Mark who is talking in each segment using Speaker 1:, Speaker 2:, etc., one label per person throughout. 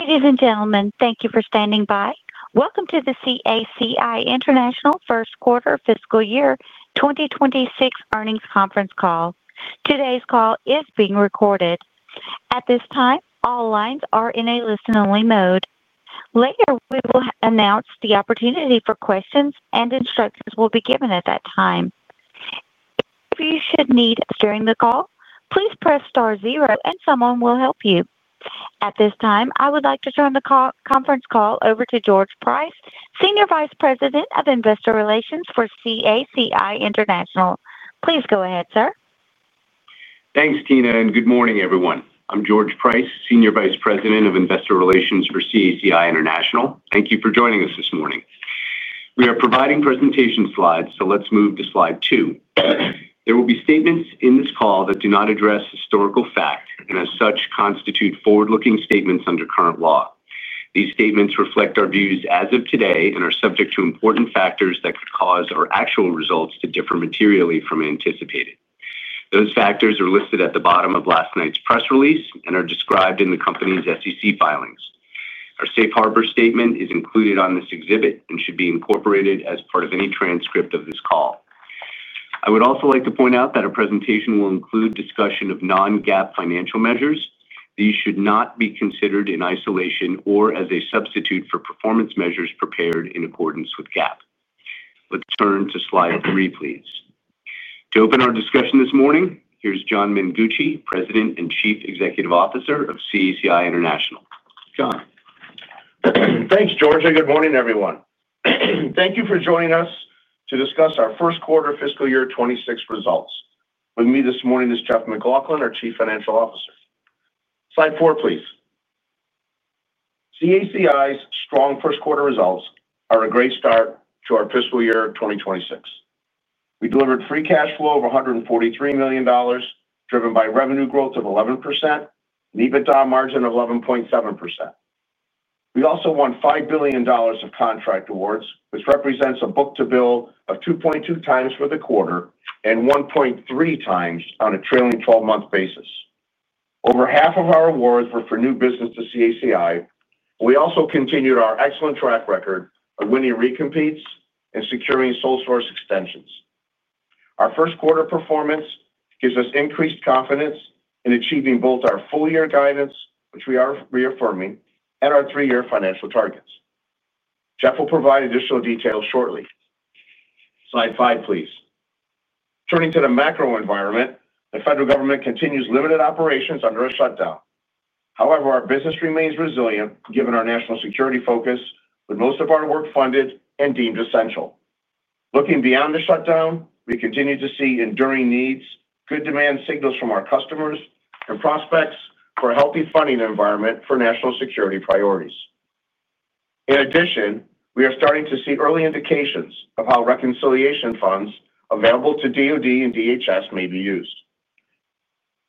Speaker 1: Ladies and gentlemen, thank you for standing by. Welcome to the CACI International First Quarter Fiscal Year 2026 Earnings Conference Call. Today's call is being recorded. At this time, all lines are in a listen-only mode. Later, we will announce the opportunity for questions, and instructions will be given at that time. If you should need assistance during the call, please press star zero, and someone will help you. At this time, I would like to turn the conference call over to George Price, Senior Vice President of Investor Relations for CACI International. Please go ahead, sir.
Speaker 2: Thanks, Tina, and good morning, everyone. I'm George Price, Senior Vice President of Investor Relations for CACI International Inc. Thank you for joining us this morning. We are providing presentation slides, so let's move to slide two. There will be statements in this call that do not address historical facts and, as such, constitute forward-looking statements under current law. These statements reflect our views as of today and are subject to important factors that could cause our actual results to differ materially from anticipated. Those factors are listed at the bottom of last night's press release and are described in the company's SEC filings. Our Safe Harbor statement is included on this exhibit and should be incorporated as part of any transcript of this call. I would also like to point out that our presentation will include a discussion of non-GAAP financial measures. These should not be considered in isolation or as a substitute for performance measures prepared in accordance with GAAP. Let's turn to slide three, please. To open our discussion this morning, here's John Mengucci, President and Chief Executive Officer of CACI International Inc. John.
Speaker 3: Thanks, George, and good morning, everyone. Thank you for joining us to discuss our first quarter fiscal year 2026 results. With me this morning is Jeff MacLauchlan, our Chief Financial Officer. Slide four, please. CACI's strong first quarter results are a great start to our fiscal year 2026. We delivered free cash flow of $143 million, driven by revenue growth of 11%, and an EBITDA margin of 11.7%. We also won $5 billion of contract awards, which represents a book to bill of 2.2x for the quarter and 1.3x on a trailing 12month basis. Over half of our awards were for new business to CACI. We also continued our excellent track record of winning recompetes and securing sole source extensions. Our first quarter performance gives us increased confidence in achieving both our full-year guidance, which we are reaffirming, and our three-year financial targets. Jeff will provide additional details shortly. Slide five, please. Turning to the macro environment, the federal government continues limited operations under a shutdown. However, our business remains resilient given our national security focus, with most of our work funded and deemed essential. Looking beyond the shutdown, we continue to see enduring needs, good demand signals from our customers, and prospects for a healthy funding environment for national security priorities. In addition, we are starting to see early indications of how reconciliation funds available to DOD and DHS may be used.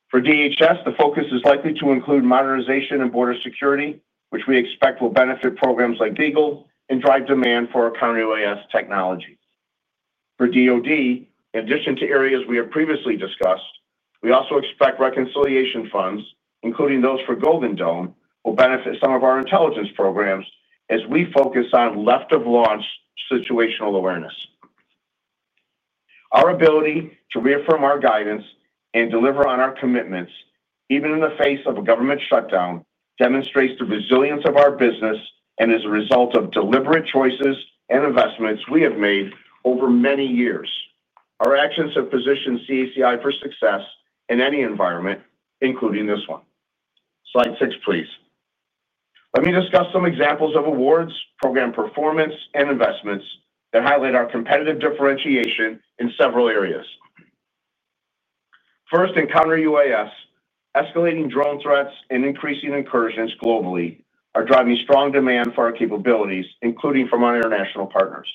Speaker 3: For DHS, the focus is likely to include modernization and border security, which we expect will benefit programs like Beagle and drive demand for our counter UAS technology. For DOD, in addition to areas we have previously discussed, we also expect reconciliation funds, including those for Golden Dome, will benefit some of our intelligence programs as we focus on left-of-launch situational awareness. Our ability to reaffirm our guidance and deliver on our commitments, even in the face of a government shutdown, demonstrates the resilience of our business and is a result of deliberate choices and investments we have made over many years. Our actions have positioned CACI for success in any environment, including this one. Slide six, please. Let me discuss some examples of awards, program performance, and investments that highlight our competitive differentiation in several areas. First, in counter-UAS, escalating drone threats and increasing incursions globally are driving strong demand for our capabilities, including from our international partners.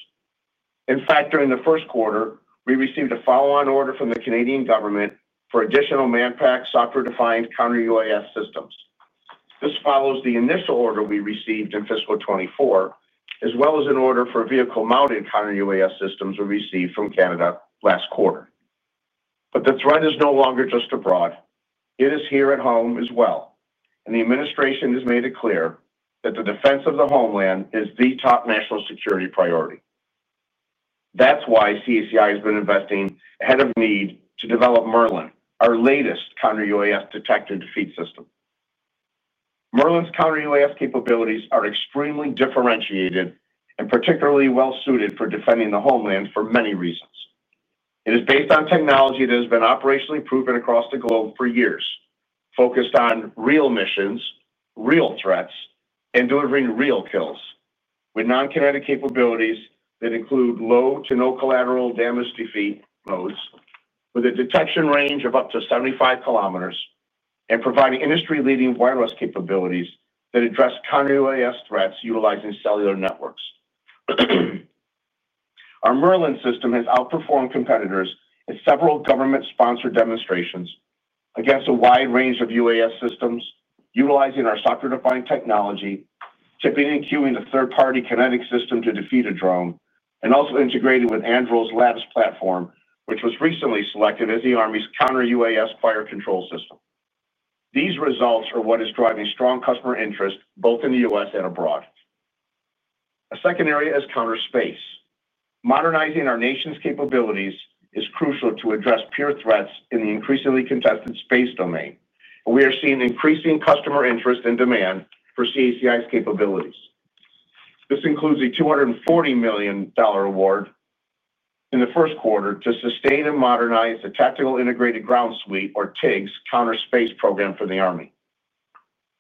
Speaker 3: In fact, during the first quarter, we received a follow-on order from the Canadian government for additional man-packed software-defined counter UAS systems. This follows the initial order we received in fiscal 2024, as well as an order for vehicle-mounted counter UAS systems we received from Canada last quarter. The threat is no longer just abroad. It is here at home as well. The administration has made it clear that the defense of the homeland is the top national security priority. That's why CACI has been investing ahead of need to develop Merlin, our latest counter-UAS detector defeat system. Merlin's counter-UAS capabilities are extremely differentiated and particularly well suited for defending the homeland for many reasons. It is based on technology that has been operationally proven across the globe for years, focused on real missions, real threats, and delivering real kills with non-kinetic capabilities that include low to no collateral damage defeat modes with a detection range of up to 75 km and providing industry-leading wireless capabilities that address counter-UAS threats utilizing cellular networks. Our Merlin system has outperformed competitors at several government-sponsored demonstrations against a wide range of UAS systems utilizing our software-defined technology, tipping and queuing the third-party kinetic system to defeat a drone, and also integrating with Androlabs platform, which was recently selected as the Army's counter-UAS fire control system. These results are what is driving strong customer interest both in the United States and abroad. A second area is counter-space. Modernizing our nation's capabilities is crucial to address peer threats in the increasingly contested space domain. We are seeing increasing customer interest and demand for CACI's capabilities. This includes a $240 million award in the first quarter to sustain and modernize the Tactical Integrated Ground Suite, or TIGS, counter-space program for the Army.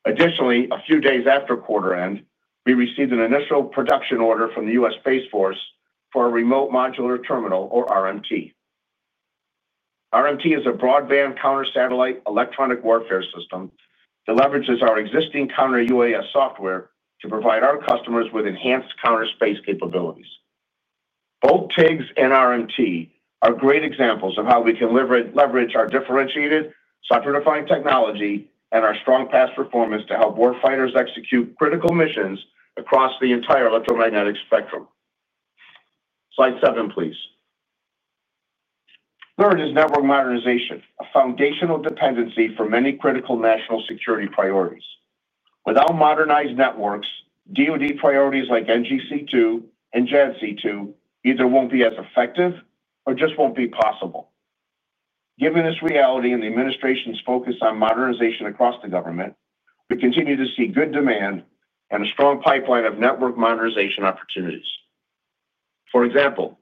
Speaker 3: Additionally, a few days after quarter end, we received an initial production order from the U.S. Space Force for a remote modular terminal, or RMT. RMT is a broadband counter-satellite electronic warfare system that leverages our existing counter-UAS software to provide our customers with enhanced counter-space capabilities. Both TIGS and RMT are great examples of how we can leverage our differentiated software-defined technology and our strong past performance to help war fighters execute critical missions across the entire electromagnetic spectrum. Slide seven, please. Third is network modernization, a foundational dependency for many critical national security priorities. Without modernized networks, DOD priorities like NGC2 and JADC2 either won't be as effective or just won't be possible. Given this reality and the administration's focus on modernization across the government, we continue to see good demand and a strong pipeline of network modernization opportunities. For example,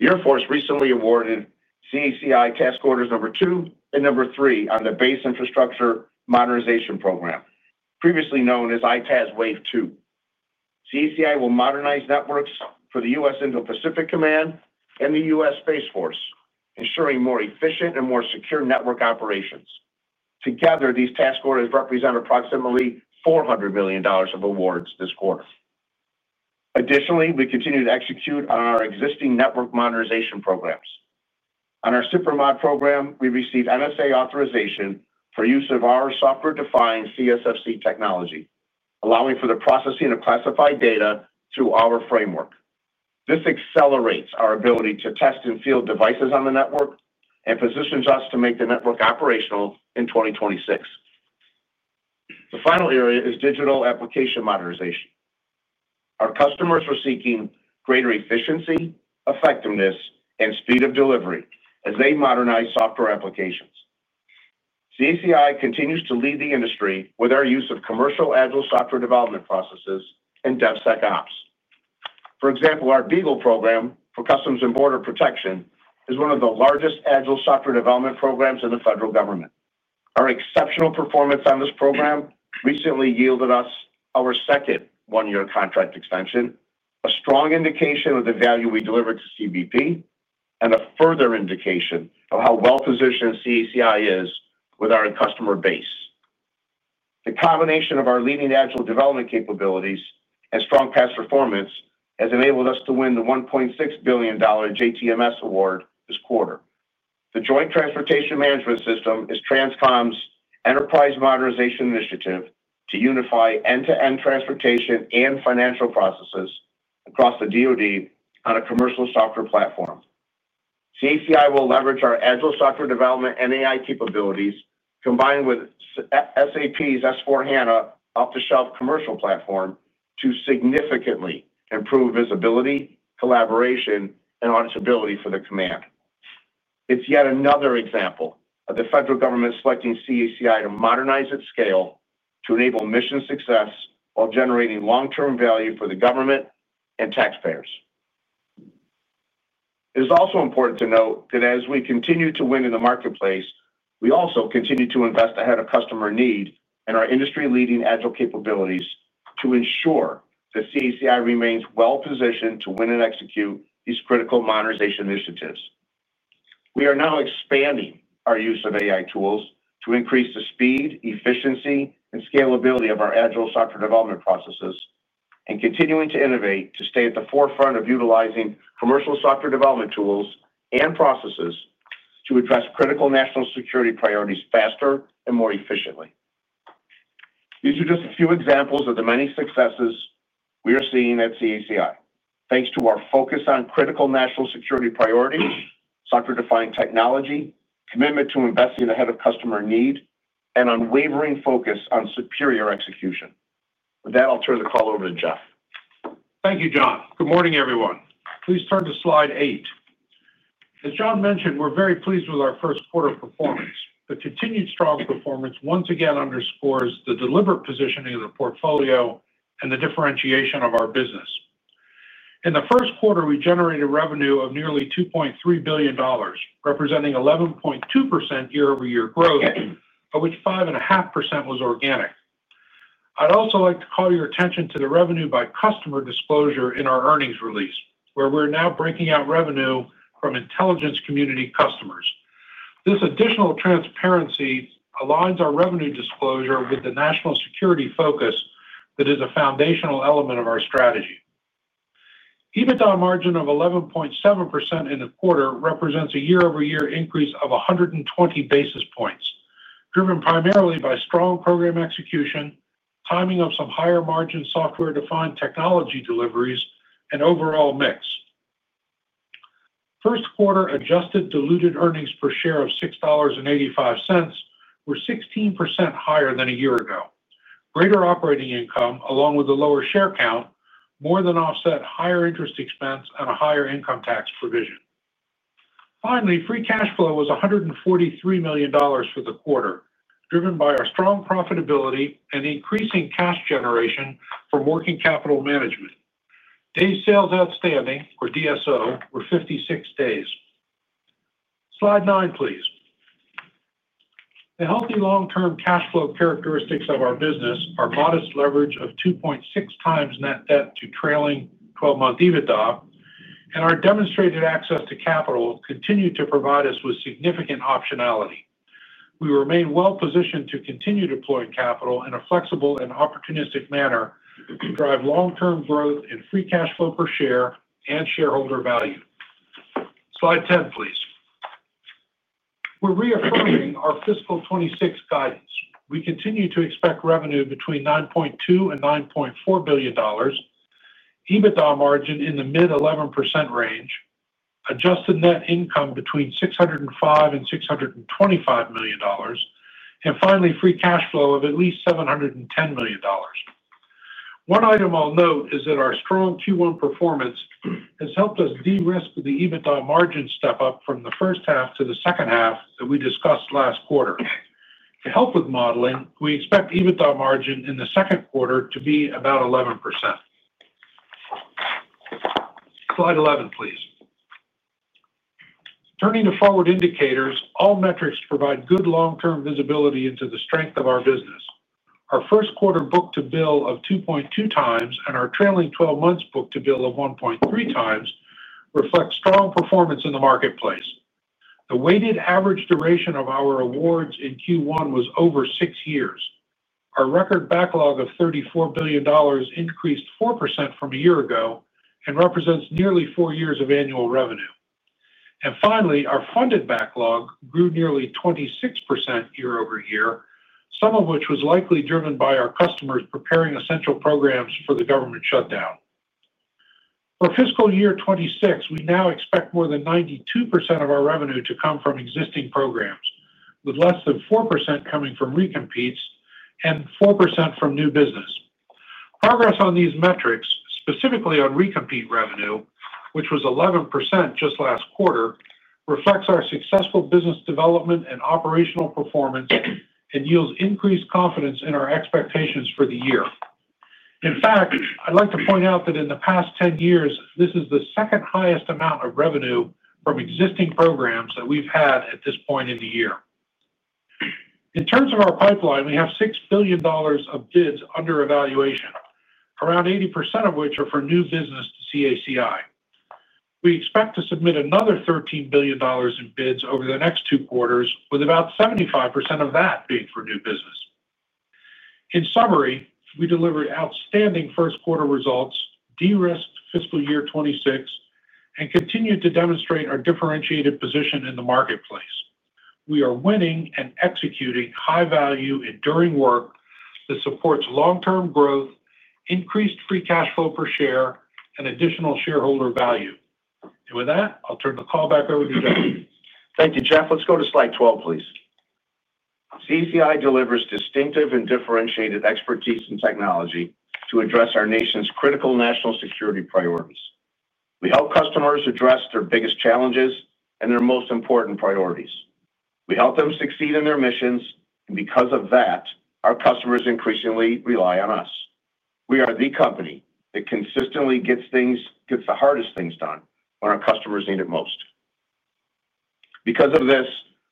Speaker 3: the Air Force recently awarded CACI task orders number two and number three on the base infrastructure modernization program, previously known as IPAS Wave Two. CACI will modernize networks for the U.S. Indo-Pacific Command and the U.S. Space Force, ensuring more efficient and more secure network operations. Together, these task orders represent approximately $400 million of awards this quarter. Additionally, we continue to execute on our existing network modernization programs. On our SuperMod program, we received NSA authorization for use of our software-defined CSFC technology, allowing for the processing of classified data through our framework. This accelerates our ability to test in-field devices on the network and positions us to make the network operational in 2026. The final area is digital application modernization. Our customers are seeking greater efficiency, effectiveness, and speed of delivery as they modernize software applications. CACI continues to lead the industry with our use of commercial agile software development processes and DevSecOps. For example, our Beagle program for Customs and Border Protection is one of the largest agile software development programs in the federal government. Our exceptional performance on this program recently yielded us our second one-year contract extension, a strong indication of the value we delivered to CBP and a further indication of how well-positioned CACI is with our customer base. The combination of our leading agile development capabilities and strong past performance has enabled us to win the $1.6 billion JTMS award this quarter. The Joint Training Management System is Transcom's enterprise modernization initiative to unify end-to-end transportation and financial processes across the DOD on a commercial software platform. CACI will leverage our agile software development and AI capabilities, combined with SAP's S/4HANA off-the-shelf commercial platform, to significantly improve visibility, collaboration, and auditability for the command. It's yet another example of the federal government selecting CACI to modernize at scale to enable mission success while generating long-term value for the government and taxpayers. It is also important to note that as we continue to win in the marketplace, we also continue to invest ahead of customer need and our industry-leading agile capabilities to ensure that CACI remains well-positioned to win and execute these critical modernization initiatives. We are now expanding our use of AI tools to increase the speed, efficiency, and scalability of our agile software development processes and continuing to innovate to stay at the forefront of utilizing commercial software development tools and processes to address critical national security priorities faster and more efficiently. These are just a few examples of the many successes we are seeing at CACI, thanks to our focus on critical national security priorities, software-defined technology, commitment to investing ahead of customer need, and unwavering focus on superior execution. With that, I'll turn the call over to Jeff.
Speaker 4: Thank you, John. Good morning, everyone. Please turn to slide eight. As John mentioned, we're very pleased with our first quarter performance. The continued strong performance once again underscores the deliberate positioning of the portfolio and the differentiation of our business. In the first quarter, we generated revenue of nearly $2.3 billion, representing 11.2% year-over-year growth, of which 5.5% was organic. I'd also like to call your attention to the revenue by customer disclosure in our earnings release, where we're now breaking out revenue from intelligence community customers. This additional transparency aligns our revenue disclosure with the national security focus that is a foundational element of our strategy. EBITDA margin of 11.7% in the quarter represents a year-over-year increase of 120 basis points, driven primarily by strong program execution, timing of some higher margin software-defined technology deliveries, and overall mix. First quarter adjusted diluted earnings per share of $6.85 were 16% higher than a year ago. Greater operating income, along with a lower share count, more than offset higher interest expense and a higher income tax provision. Finally, free cash flow was $143 million for the quarter, driven by our strong profitability and increasing cash generation from working capital management. Day sales outstanding, or DSO, were 56 days. Slide nine, please. The healthy long-term cash flow characteristics of our business are modest leverage of 2.6x net debt to trailing 12 month EBITDA, and our demonstrated access to capital continue to provide us with significant optionality. We remain well-positioned to continue deploying capital in a flexible and opportunistic manner to drive long-term growth and free cash flow per share and shareholder value. Slide 10, please. We're reaffirming our fiscal 2026 guidance. We continue to expect revenue between $9.2 and $9.4 billion, EBITDA margin in the mid 11% range, adjusted net income between $605 and $625 million, and finally, free cash flow of at least $710 million. One item I'll note is that our strong Q1 performance has helped us de-risk the EBITDA margin step up from the first half to the second half that we discussed last quarter. To help with modeling, we expect EBITDA margin in the second quarter to be about 11%. Slide 11, please. Turning to forward indicators, all metrics provide good long-term visibility into the strength of our business. Our first quarter book to bill of 2.2x and our trailing 12 months book-to bill of 1.3x reflect strong performance in the marketplace. The weighted average duration of our awards in Q1 was over six years. Our record backlog of $34 billion increased 4% from a year ago and represents nearly four years of annual revenue. Finally, our funded backlog grew nearly 26% year-over-year, some of which was likely driven by our customers preparing essential programs for the government shutdown. For fiscal year 2026, we now expect more than 92% of our revenue to come from existing programs, with less than 4% coming from recompetes and 4% from new business. Progress on these metrics, specifically on recompete revenue, which was 11% just last quarter, reflects our successful business development and operational performance and yields increased confidence in our expectations for the year. In fact, I'd like to point out that in the past 10 years, this is the second highest amount of revenue from existing programs that we've had at this point in the year. In terms of our pipeline, we have $6 billion of bids under evaluation, around 80% of which are for new business to CACI. We expect to submit another $13 billion in bids over the next two quarters, with about 75% of that being for new business. In summary, we delivered outstanding first quarter results, de-risked fiscal year 2026, and continue to demonstrate our differentiated position in the marketplace. We are winning and executing high-value enduring work that supports long-term growth, increased free cash flow per share, and additional shareholder value. I'll turn the call back over to Jeff.
Speaker 3: Thank you, Jeff. Let's go to slide 12, please. CACI delivers distinctive and differentiated expertise and technology to address our nation's critical national security priorities. We help customers address their biggest challenges and their most important priorities. We help them succeed in their missions, and because of that, our customers increasingly rely on us. We are the company that consistently gets the hardest things done when our customers need it most. Because of this,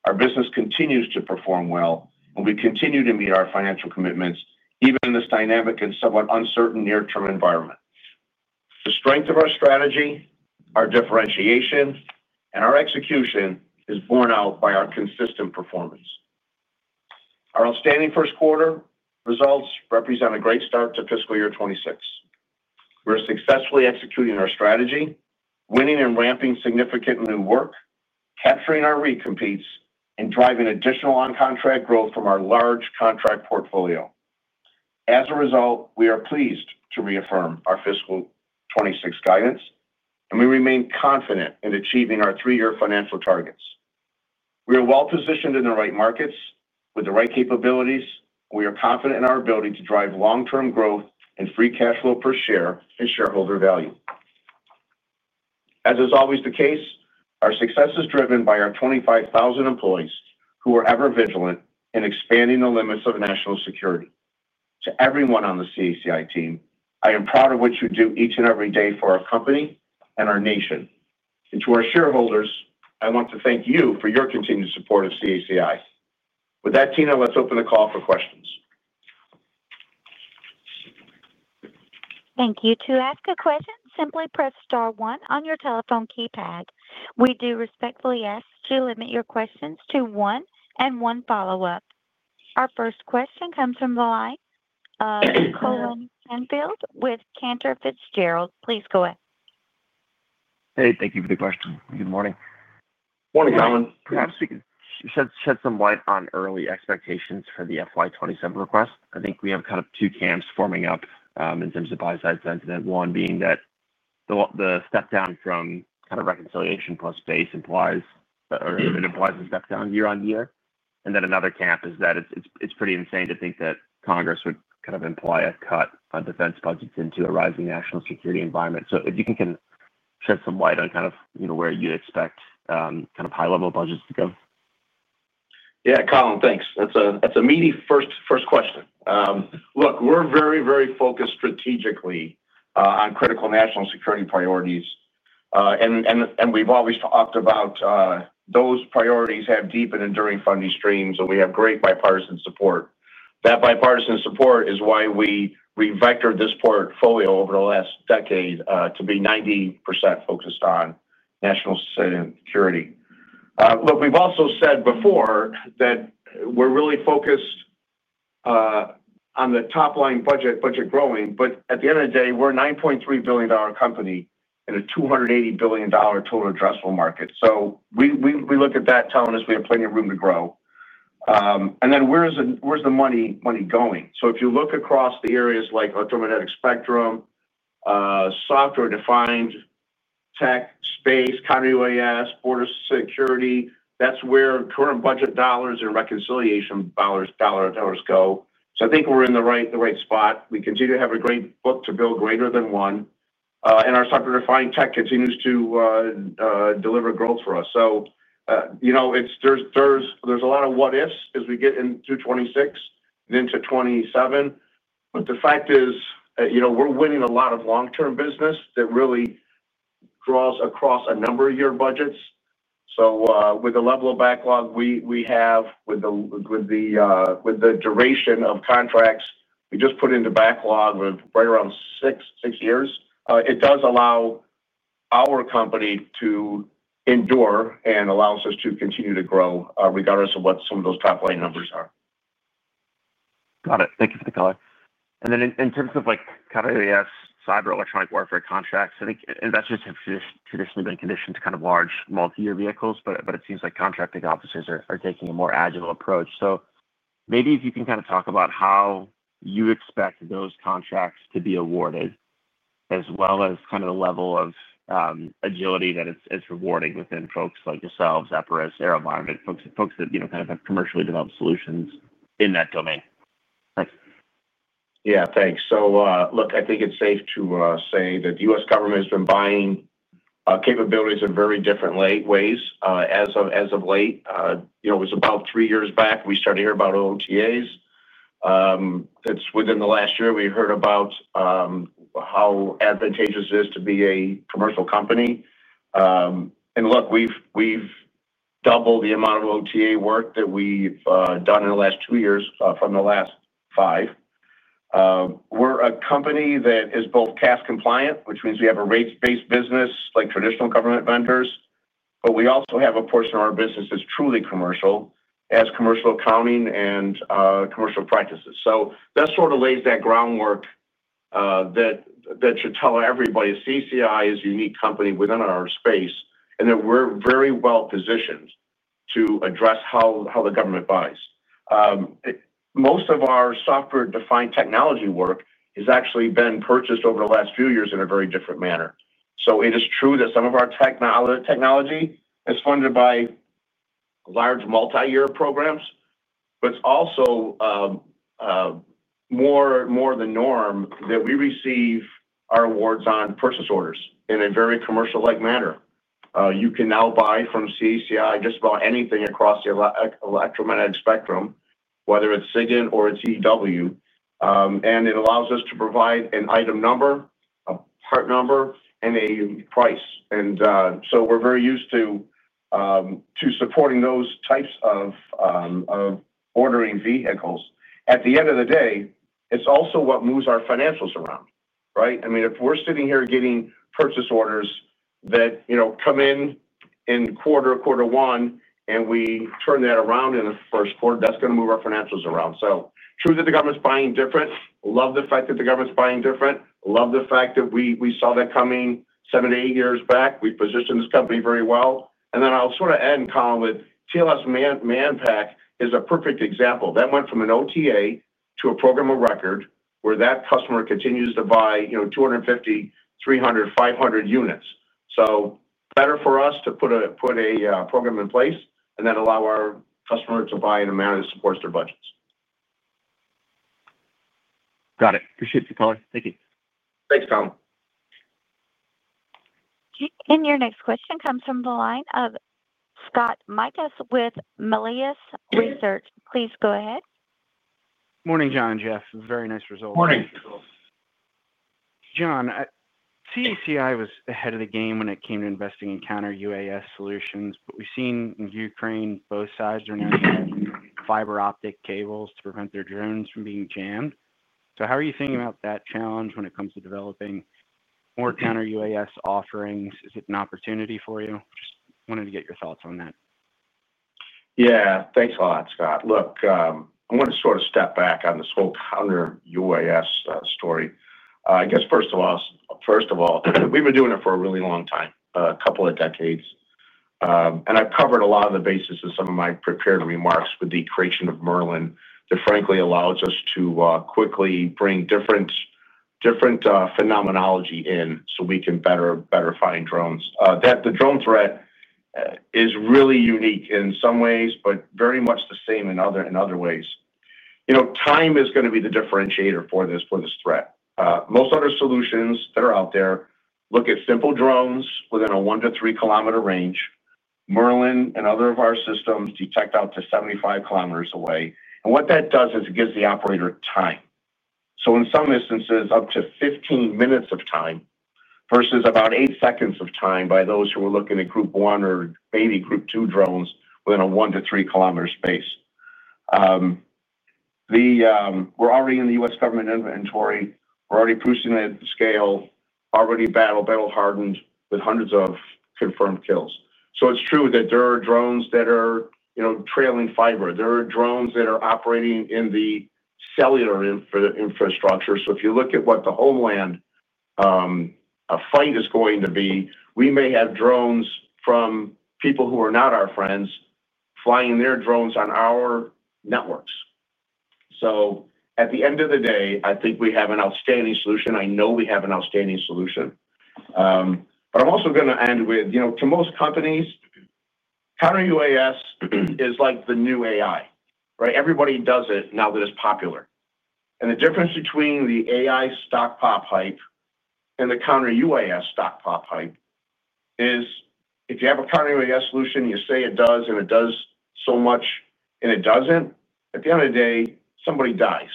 Speaker 3: our business continues to perform well, and we continue to meet our financial commitments even in this dynamic and somewhat uncertain near-term environment. The strength of our strategy, our differentiation, and our execution is borne out by our consistent performance. Our outstanding first quarter results represent a great start to fiscal year 2026. We're successfully executing our strategy, winning and ramping significant new work, capturing our recompetes, and driving additional on-contract growth from our large contract portfolio. As a result, we are pleased to reaffirm our fiscal 2026 guidance, and we remain confident in achieving our three-year financial targets. We are well-positioned in the right markets with the right capabilities, and we are confident in our ability to drive long-term growth and free cash flow per share and shareholder value. As is always the case, our success is driven by our 25,000 employees who are ever vigilant in expanding the limits of national security. To everyone on the CACI team, I am proud of what you do each and every day for our company and our nation. To our shareholders, I want to thank you for your continued support of CACI. With that, Tina, let's open the call for questions.
Speaker 1: Thank you. To ask a question, simply press star one on your telephone keypad. We do respectfully ask to limit your questions to one and one follow-up. Our first question comes from the line of Colin Penfield with Cantor Fitzgerald. Please go ahead.
Speaker 5: Hey, thank you for the question. Good morning.
Speaker 3: Morning, gentlemen.
Speaker 5: Perhaps we could shed some light on early expectations for the FY 2027 request. I think we have kind of two camps forming up in terms of buy-side sentiment, one being that the step down from kind of reconciliation plus base implies, or it implies, a step down year on year. Another camp is that it's pretty insane to think that Congress would kind of imply a cut of defense budgets into a rising national security environment. If you can shed some light on where you'd expect high-level budgets to go.
Speaker 3: Yeah, Colin, thanks. That's a meaty first question. Look, we're very, very focused strategically on critical national security priorities. We've always talked about those priorities having deep and enduring funding streams, and we have great bipartisan support. That bipartisan support is why we revectored this portfolio over the last decade to be 90% focused on national security. We've also said before that we're really focused on the top-line budget growing, but at the end of the day, we're a $9.3 billion company and a $280 billion total addressable market. We look at that telling us we have plenty of room to grow. Where's the money going? If you look across the areas like electromagnetic spectrum, software-defined tech, space, counter-UAS, border security, that's where current budget dollars and reconciliation dollars go. I think we're in the right spot. We continue to have a great book-to-bill greater than one, and our software-defined tech continues to deliver growth for us. There's a lot of what-ifs as we get into 2026 and into 2027. The fact is, we're winning a lot of long-term business that really draws across a number of year budgets. With the level of backlog we have, with the duration of contracts we just put into backlog of right around six years, it does allow our company to endure and allows us to continue to grow regardless of what some of those top-line numbers are.
Speaker 5: Got it. Thank you for the color. In terms of counter-UAS, cyber, electronic warfare contracts, I think investors have traditionally been conditioned to large multi-year vehicles, but it seems like contracting offices are taking a more agile approach. Maybe if you can talk about how you expect those contracts to be awarded, as well as the level of agility that is rewarding within folks like yourselves, Applied Insight, AeroVironment, folks that have commercially developed solutions in that domain. Thanks.
Speaker 3: Yeah, thanks. I think it's safe to say that the U.S. government has been buying capabilities in very different ways as of late. It was about three years back we started to hear about OTAs. Within the last year we heard about how advantageous it is to be a commercial company. We've doubled the amount of OTA work that we've done in the last two years from the last five. We're a company that is both CAS compliant, which means we have a rates-based business like traditional government vendors, but we also have a portion of our business that's truly commercial, as commercial accounting and commercial practices. That sort of lays that groundwork that should tell everybody CACI is a unique company within our space and that we're very well positioned to address how the government buys. Most of our software-defined technology work has actually been purchased over the last few years in a very different manner. It is true that some of our technology is funded by large multi-year programs, but it's also more the norm that we receive our awards on purchase orders in a very commercial-like manner. You can now buy from CACI just about anything across the electromagnetic spectrum, whether it's SIGINT or it's EW. It allows us to provide an item number, a part number, and a price. We're very used to supporting those types of ordering vehicles. At the end of the day, it's also what moves our financials around, right? I mean, if we're sitting here getting purchase orders that come in in quarter one and we turn that around in the first quarter, that's going to move our financials around. True that the government's buying different. Love the fact that the government's buying different. Love the fact that we saw that coming seven to eight years back. We've positioned this company very well. I'll sort of end, Colin, with TLS Manpack is a perfect example. That went from an OTA to a program of record where that customer continues to buy 250, 300, 500 units. Better for us to put a program in place and then allow our customer to buy in a manner that supports their budgets.
Speaker 5: Got it. Appreciate the color. Thank you.
Speaker 3: Thanks, Colin.
Speaker 1: Okay. Your next question comes from the line of Scott Stephen Mikus with Melius Research. Please go ahead. Morning, John and Jeff. It's a very nice result.
Speaker 3: Morning.
Speaker 6: John, CACI was ahead of the game when it came to investing in counter-UAS solutions, but we've seen in Ukraine both sides are now using fiber optic cables to prevent their drones from being jammed. How are you thinking about that challenge when it comes to developing more counter-UAS offerings? Is it an opportunity for you? Just wanted to get your thoughts on that.
Speaker 3: Yeah, thanks a lot, Scott. Look, I'm going to sort of step back on this whole counter-UAS story. First of all, we've been doing it for a really long time, a couple of decades. I've covered a lot of the basis of some of my prepared remarks with the creation of Merlin that frankly allows us to quickly bring different phenomenology in so we can better find drones. The drone threat is really unique in some ways, but very much the same in other ways. You know, time is going to be the differentiator for this threat. Most other solutions that are out there look at simple drones within a one to three kilometer range. Merlin and other of our systems detect out to 75km away. What that does is it gives the operator time. In some instances, up to 15 minutes of time versus about eight seconds of time by those who are looking at Group 1 or maybe Group 2 drones within a one to three kilometer space. We're already in the U.S. government inventory. We're already pushing at scale, already battle-hardened with hundreds of confirmed kills. It's true that there are drones that are, you know, trailing fiber. There are drones that are operating in the cellular infrastructure. If you look at what the homeland fight is going to be, we may have drones from people who are not our friends flying their drones on our networks. At the end of the day, I think we have an outstanding solution. I know we have an outstanding solution. I'm also going to end with, you know, to most companies, counter-UAS is like the new AI, right? Everybody does it now that it's popular. The difference between the AI stockpile hype and the counter-UAS stockpile hype is if you have a counter-UAS solution, you say it does and it does so much and it doesn't, at the end of the day, somebody dies.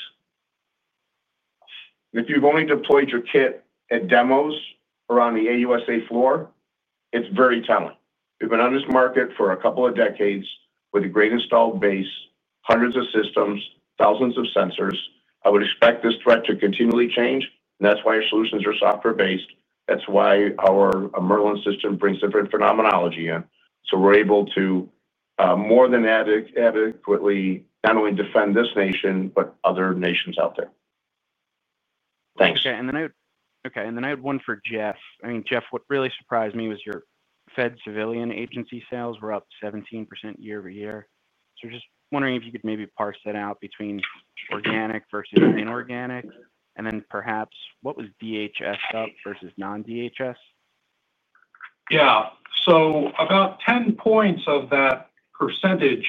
Speaker 3: If you've only deployed your kit at demos around the AUSA floor, it's very telling. We've been on this market for a couple of decades with a great installed base, hundreds of systems, thousands of sensors. I would expect this threat to continually change. That's why our solutions are software-based. That's why our Merlin system brings different phenomenology in. We're able to more than adequately not only defend this nation, but other nations out there. Thanks.
Speaker 6: Okay. I had one for Jeff. Jeff, what really surprised me was your Fed civilian agency sales were up 17% year-over-year. Just wondering if you could maybe parse that out between organic versus inorganic, and then perhaps what was DHS up versus non-DHS?
Speaker 4: Yeah. About 10% of that percentage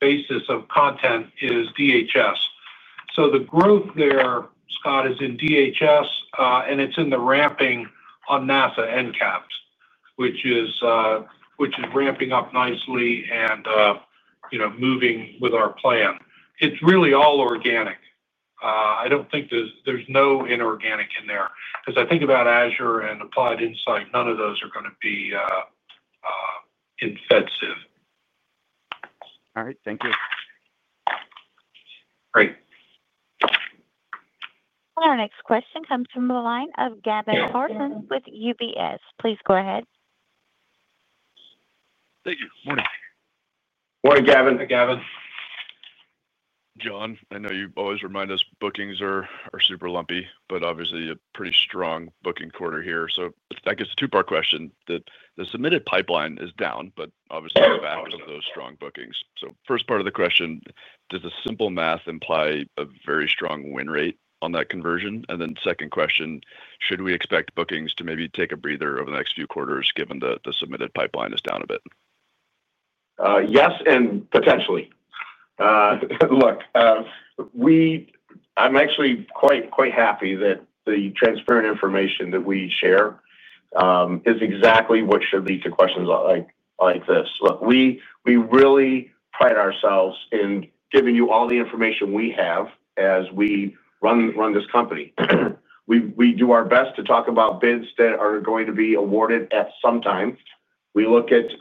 Speaker 4: basis of content is DHS. The growth there, Scott, is in DHS, and it's in the ramping on NASA NCAPS, which is ramping up nicely and moving with our plan. It's really all organic. I don't think there's any inorganic in there. Because I think about Azure and Applied Insight, none of those are going to be ineffective.
Speaker 6: All right. Thank you.
Speaker 3: Great.
Speaker 1: Our next question comes from the line of Gavin Parsons with UBS. Please go ahead.
Speaker 7: Thank you. Good morning.
Speaker 3: Morning, Gavin.
Speaker 4: Hi, Gavin.
Speaker 7: John, I know you always remind us bookings are super lumpy, but obviously a pretty strong booking quarter here. That gets to the two-part question. The submitted pipeline is down, but obviously we're back with those strong bookings. First part of the question, does the simple math imply a very strong win rate on that conversion? Second question, should we expect bookings to maybe take a breather over the next few quarters given that the submitted pipeline is down a bit?
Speaker 3: Yes, and potentially. Look, I'm actually quite happy that the transparent information that we share is exactly what should lead to questions like this. Look, we really pride ourselves in giving you all the information we have as we run this company. We do our best to talk about bids that are going to be awarded at some time. We look at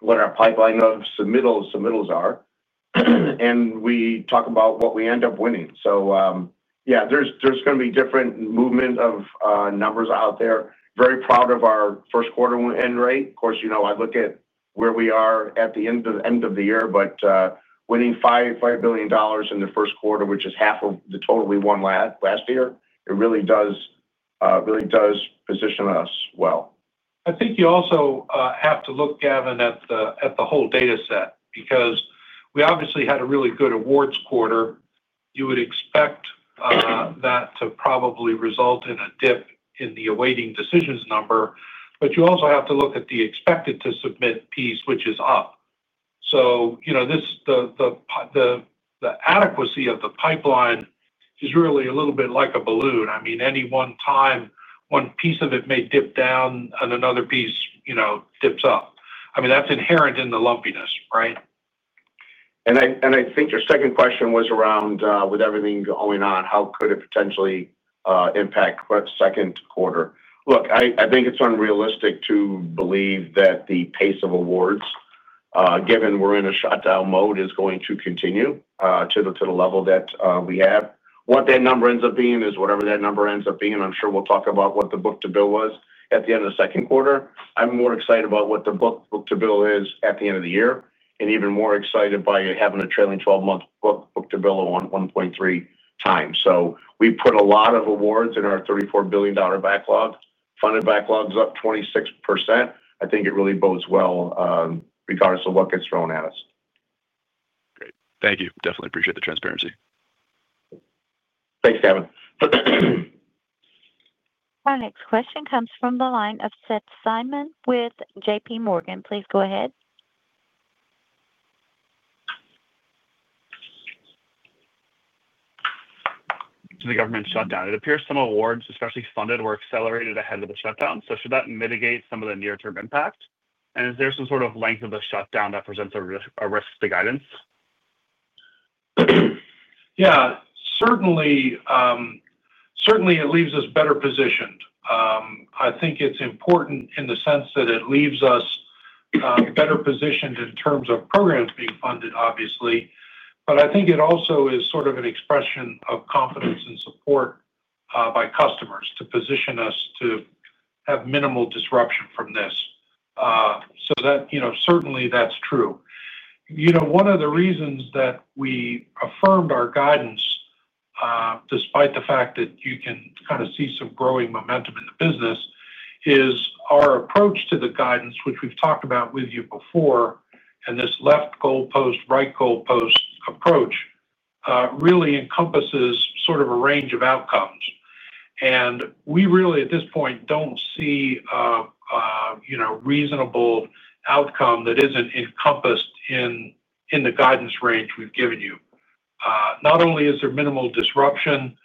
Speaker 3: what our pipeline of submittals are, and we talk about what we end up winning. Yeah, there's going to be different movement of numbers out there. Very proud of our first quarter end rate. Of course, I look at where we are at the end of the year, but winning $5 billion in the first quarter, which is half of the total we won last year, it really does position us well. I think you also have to look, Gavin, at the whole dataset because we obviously had a really good awards quarter. You would expect that to probably result in a dip in the awaiting decisions number, but you also have to look at the expected to submit piece, which is up. The adequacy of the pipeline is really a little bit like a balloon. At any one time, one piece of it may dip down and another piece dips up. That's inherent in the lumpiness, right? I think your second question was around, with everything going on, how could it potentially impact the second quarter? I think it's unrealistic to believe that the pace of awards, given we're in a shutdown mode, is going to continue to the level that we have. What that number ends up being is whatever that number ends up being. I'm sure we'll talk about what the book-to-bill was at the end of the second quarter. I'm more excited about what the book-to-bill is at the end of the year and even more excited by having a trailing 12-month book-to-bill of 1.3x. We put a lot of awards in our $34 billion backlog. Funded backlog is up 26%. I think it really bodes well regardless of what gets thrown at us.
Speaker 7: Great. Thank you. Definitely appreciate the transparency.
Speaker 3: Thanks, Gavin.
Speaker 1: Our next question comes from the line of Seth Michael Seifman with J.P. Morgan. Please go ahead. Regarding the government shutdown, it appears some awards, especially funded, were accelerated ahead of the shutdown. Should that mitigate some of the near-term impact? Is there some sort of length of the shutdown that presents a risk to guidance?
Speaker 4: Certainly, it leaves us better positioned. I think it's important in the sense that it leaves us better positioned in terms of programs being funded, obviously. I think it also is sort of an expression of confidence and support by customers to position us to have minimal disruption from this. Certainly that's true. One of the reasons that we affirmed our guidance, despite the fact that you can kind of see some growing momentum in the business, is our approach to the guidance, which we've talked about with you before, and this left goalpost, right goalpost approach really encompasses sort of a range of outcomes. We really, at this point, don't see a reasonable outcome that isn't encompassed in the guidance range we've given you. Not only is there minimal disruption,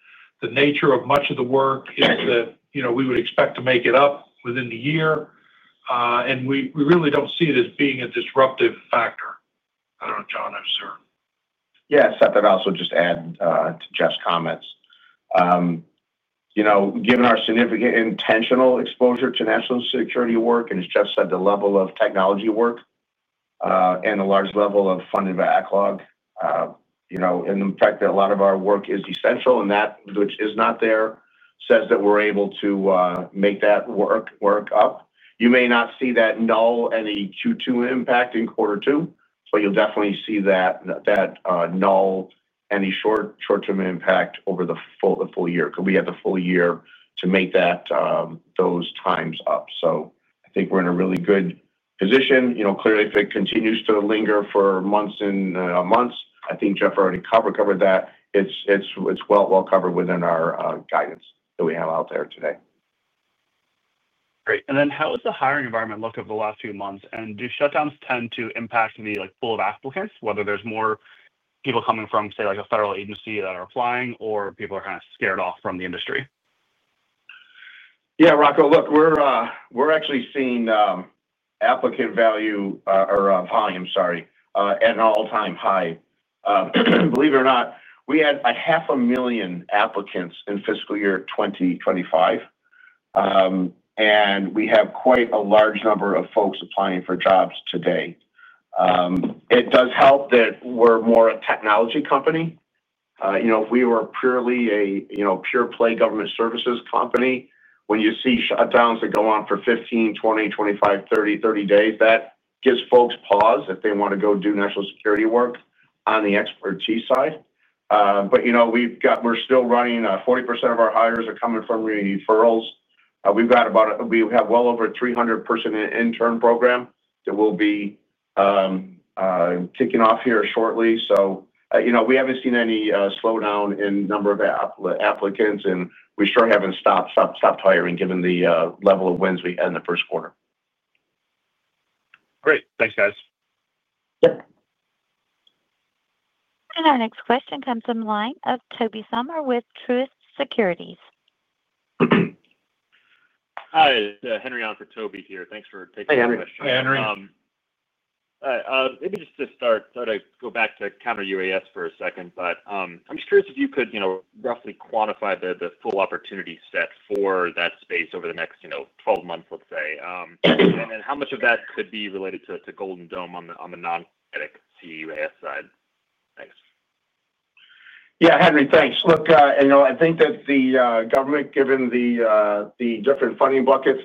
Speaker 4: the nature of much of the work is that we would expect to make it up within the year. We really don't see it as being a disruptive factor. I don't know, John, I'm sure.
Speaker 3: Yeah, Seth, I'd also just add to Jeff's comments. You know, given our significant intentional exposure to national security work, and as Jeff said, the level of technology work and the large level of funded backlog, and the fact that a lot of our work is essential and that which is not there says that we're able to make that work up. You may not see any Q2 impact in quarter two, but you'll definitely see that any short-term impact over the full year, because we have the full year to make those times up. I think we're in a really good position. Clearly, if it continues to linger for months and months, I think Jeff already covered that. It's well covered within our guidance that we have out there today.
Speaker 8: Great. How does the hiring environment look over the last few months? Do shutdowns tend to impact the pool of applicants, whether there's more people coming from, say, a federal agency that are applying, or people are kind of scared off from the industry?
Speaker 3: Yeah, Rocco, look, we're actually seeing applicant volume at an all-time high. Believe it or not, we had half a million applicants in fiscal year 2025. We have quite a large number of folks applying for jobs today. It does help that we're more a technology company. You know, if we were purely a pure-play government services company, when you see shutdowns that go on for 15, 20, 25, 30 days, that gives folks pause if they want to go do national security work on the expertise side. You know, we're still running 40% of our hires are coming from referrals. We've got well over a 300-person intern program that will be kicking off here shortly. You know, we haven't seen any slowdown in the number of applicants, and we sure haven't stopped hiring given the level of wins we had in the first quarter.
Speaker 8: Great. Thanks, guys.
Speaker 3: Yep.
Speaker 1: Our next question comes from the line of Tobey O'Brien Sommer with Truist Securities. Hi, Henry on for Tobey here. Thanks for taking the question.
Speaker 3: Hi, Henry.
Speaker 9: Maybe just to start, I'll go back to counter-UAS for a second. I'm just curious if you could roughly quantify the full opportunity set for that space over the next 12 months, let's say. How much of that could be related to Golden Dome on the non-competitive counter-UAS side? Thanks.
Speaker 3: Yeah, Henry, thanks. Look, you know, I think that the government, given the different funding buckets,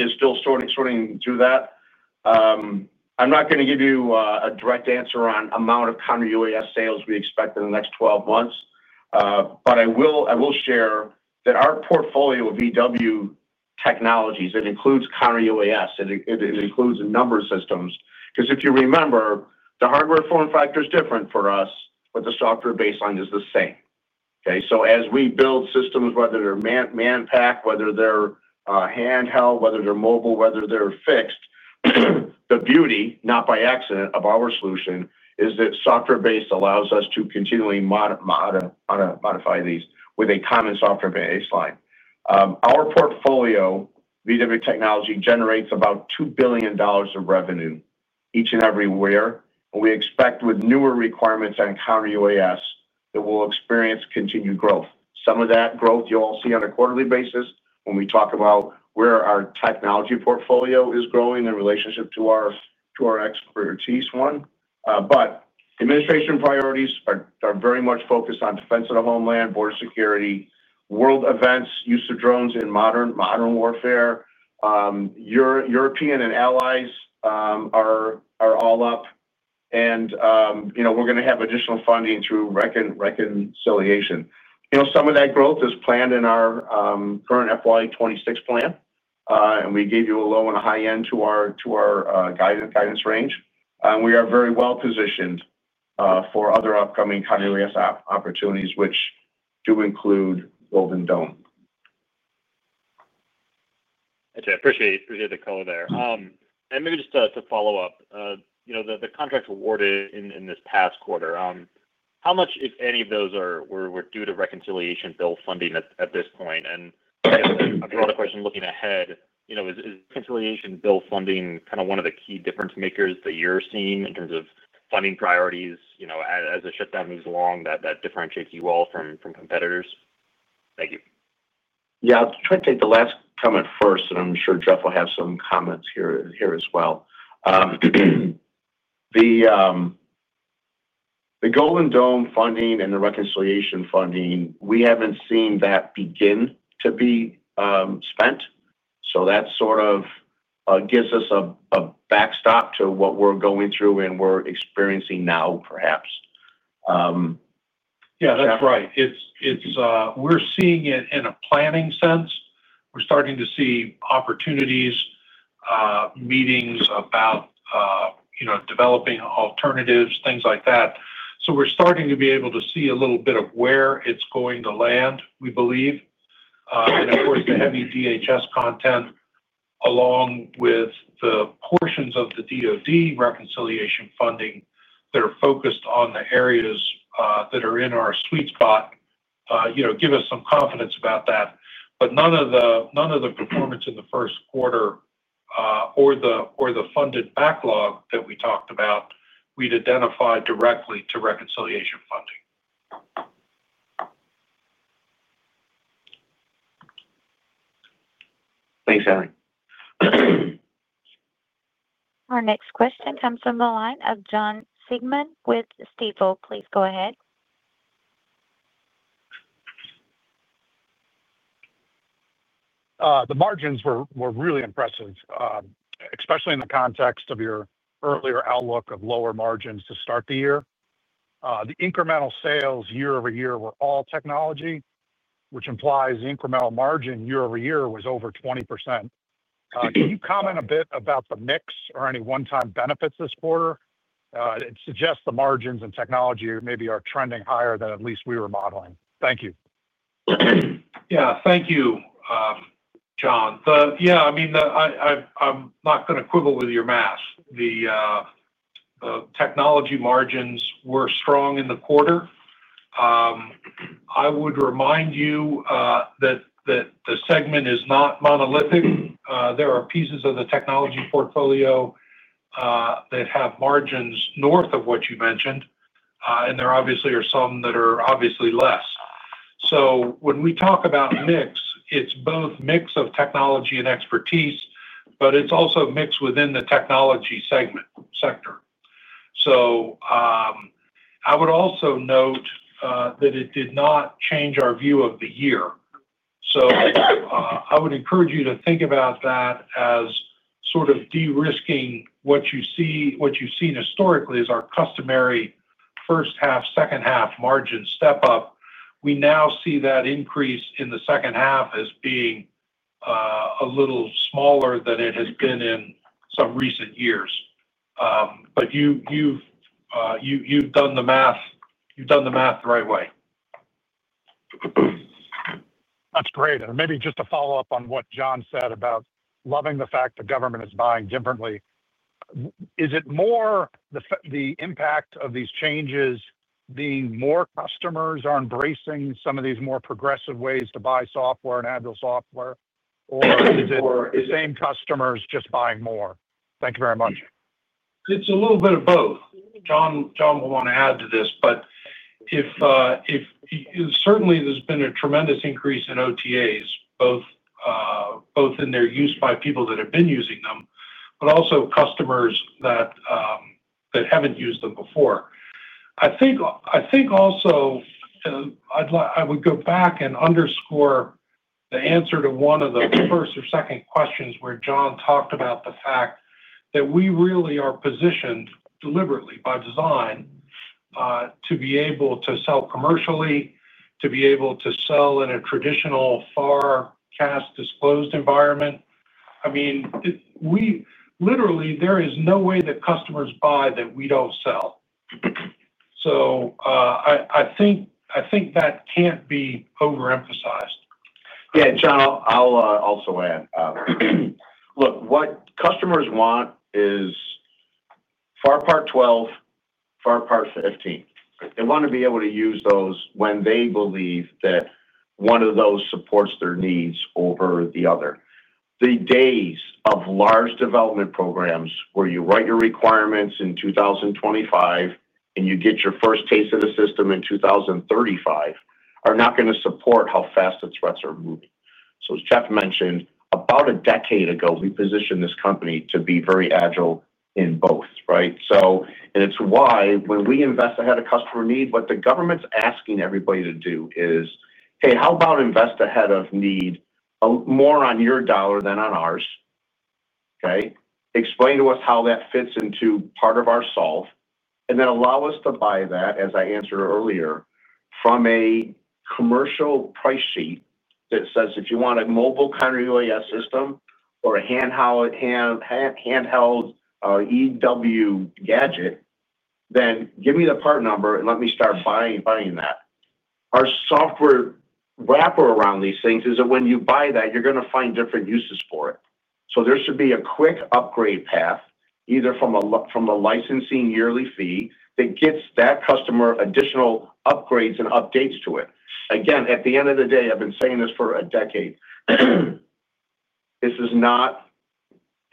Speaker 3: is still sorting through that. I'm not going to give you a direct answer on the amount of counter-UAS sales we expect in the next 12 months. I will share that our portfolio of EW technologies includes counter-UAS. It includes a number of systems. If you remember, the hardware form factor is different for us, but the software baseline is the same. Okay, as we build systems, whether they're manpacked, whether they're handheld, whether they're mobile, whether they're fixed, the beauty, not by accident, of our solution is that software base allows us to continually modify these with a common software baseline. Our portfolio of EW technology generates about $2 billion of revenue each and every year. We expect with newer requirements on counter-UAS that we'll experience continued growth. Some of that growth you all see on a quarterly basis when we talk about where our technology portfolio is growing in relationship to our expertise. The administration priorities are very much focused on defense of the homeland, border security, world events, use of drones in modern warfare. European and allies are all up. You know, we're going to have additional funding through reconciliation. Some of that growth is planned in our current FY 2026 plan. We gave you a low and a high end to our guidance range. We are very well positioned for other upcoming counter-UAS opportunities, which do include Golden Dome.
Speaker 9: Thanks, I appreciate the color there. Maybe just to follow up, you know, the contracts awarded in this past quarter, how much, if any, of those were due to reconciliation bill funding at this point? I'll throw out a question looking ahead. You know, is reconciliation bill funding kind of one of the key difference makers that you're seeing in terms of funding priorities, you know, as a shutdown moves along that differentiates you all from competitors? Thank you.
Speaker 3: Yeah, I'll try to take the last comment first, and I'm sure Jeff will have some comments here as well. The Golden Dome funding and the reconciliation funding, we haven't seen that begin to be spent. That sort of gives us a backstop to what we're going through and we're experiencing now, perhaps.
Speaker 4: Yeah, that's right. We're seeing it in a planning sense. We're starting to see opportunities, meetings about developing alternatives, things like that. We're starting to be able to see a little bit of where it's going to land, we believe. Of course, the heavy DHS content, along with the portions of the DOD reconciliation funding that are focused on the areas that are in our sweet spot, give us some confidence about that. None of the performance in the first quarter or the funded backlog that we talked about, we'd identify directly to reconciliation funding.
Speaker 9: Thanks, Henry.
Speaker 1: Our next question comes from the line of Jonathan Siegmann with Stifel. Please go ahead.
Speaker 10: The margins were really impressive, especially in the context of your earlier outlook of lower margins to start the year. The incremental sales year-over-year were all technology, which implies the incremental margin year-over-year was over 20%. Can you comment a bit about the mix or any one-time benefits this quarter? It suggests the margins and technology maybe are trending higher than at least we were modeling. Thank you.
Speaker 4: Yeah, thank you, John. I'm not going to quibble with your math. The technology margins were strong in the quarter. I would remind you that the segment is not monolithic. There are pieces of the technology portfolio that have margins north of what you mentioned, and there obviously are some that are less. When we talk about mix, it's both a mix of technology and expertise, but it's also a mix within the technology segment sector. I would also note that it did not change our view of the year. I would encourage you to think about that as sort of de-risking what you've seen historically as our customary first half, second half margin step up. We now see that increase in the second half as being a little smaller than it has been in some recent years. You've done the math. You've done the math the right way.
Speaker 10: That's great. Maybe just to follow up on what John said about loving the fact the government is buying differently, is it more the impact of these changes being more customers are embracing some of these more progressive ways to buy software and agile software, or is it the same customers just buying more? Thank you very much.
Speaker 4: It's a little bit of both. John will want to add to this, but certainly there's been a tremendous increase in OTAs, both in their use by people that have been using them, but also customers that haven't used them before. I think also, I would go back and underscore the answer to one of the first or second questions where John talked about the fact that we really are positioned deliberately by design to be able to sell commercially, to be able to sell in a traditional FAR CAS disclosed environment. Literally, there is no way that customers buy that we don't sell. I think that can't be overemphasized.
Speaker 3: Yeah, John, I'll also add. Look, what customers want is FAR Part 12, FAR Part 15. They want to be able to use those when they believe that one of those supports their needs over the other. The days of large development programs where you write your requirements in 2025 and you get your first taste of the system in 2035 are not going to support how fast the threats are moving. As Jeff mentioned, about a decade ago, we positioned this company to be very agile in both, right? It's why when we invest ahead of customer need, what the government's asking everybody to do is, hey, how about invest ahead of need more on your dollar than on ours? Explain to us how that fits into part of our solve, and then allow us to buy that, as I answered earlier, from a commercial price sheet that says if you want a mobile counter-UAS system or a handheld EW gadget, then give me the part number and let me start buying that. Our software wrapper around these things is that when you buy that, you're going to find different uses for it. There should be a quick upgrade path either from a licensing yearly fee that gets that customer additional upgrades and updates to it. Again, at the end of the day, I've been saying this for a decade. This is not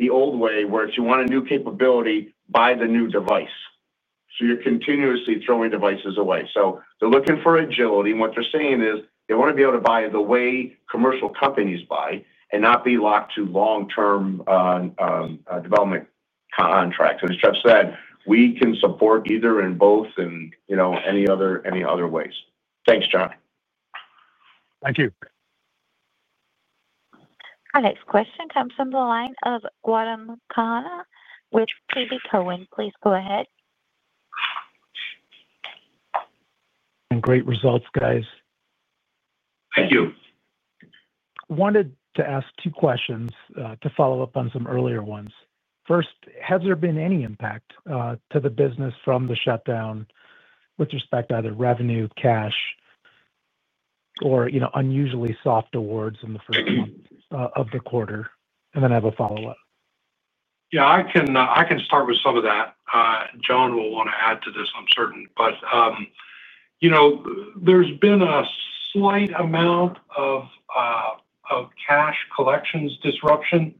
Speaker 3: the old way where if you want a new capability, buy the new device. You're continuously throwing devices away. They're looking for agility, and what they're saying is they want to be able to buy the way commercial companies buy and not be locked to long-term development contracts. As Jeff said, we can support either in both and, you know, any other ways.
Speaker 10: Thanks, John.
Speaker 3: Thank you.
Speaker 1: Our next question comes from the line of John Kernan with TD Cowen Please go ahead.
Speaker 11: Great results, guys.
Speaker 3: Thank you.
Speaker 11: I wanted to ask two questions to follow up on some earlier ones. First, has there been any impact to the business from the shutdown with respect to either revenue, cash, or unusually soft awards in the first month of the quarter? I have a follow-up.
Speaker 4: Yeah, I can start with some of that. John will want to add to this, I'm certain. There's been a slight amount of cash collections disruption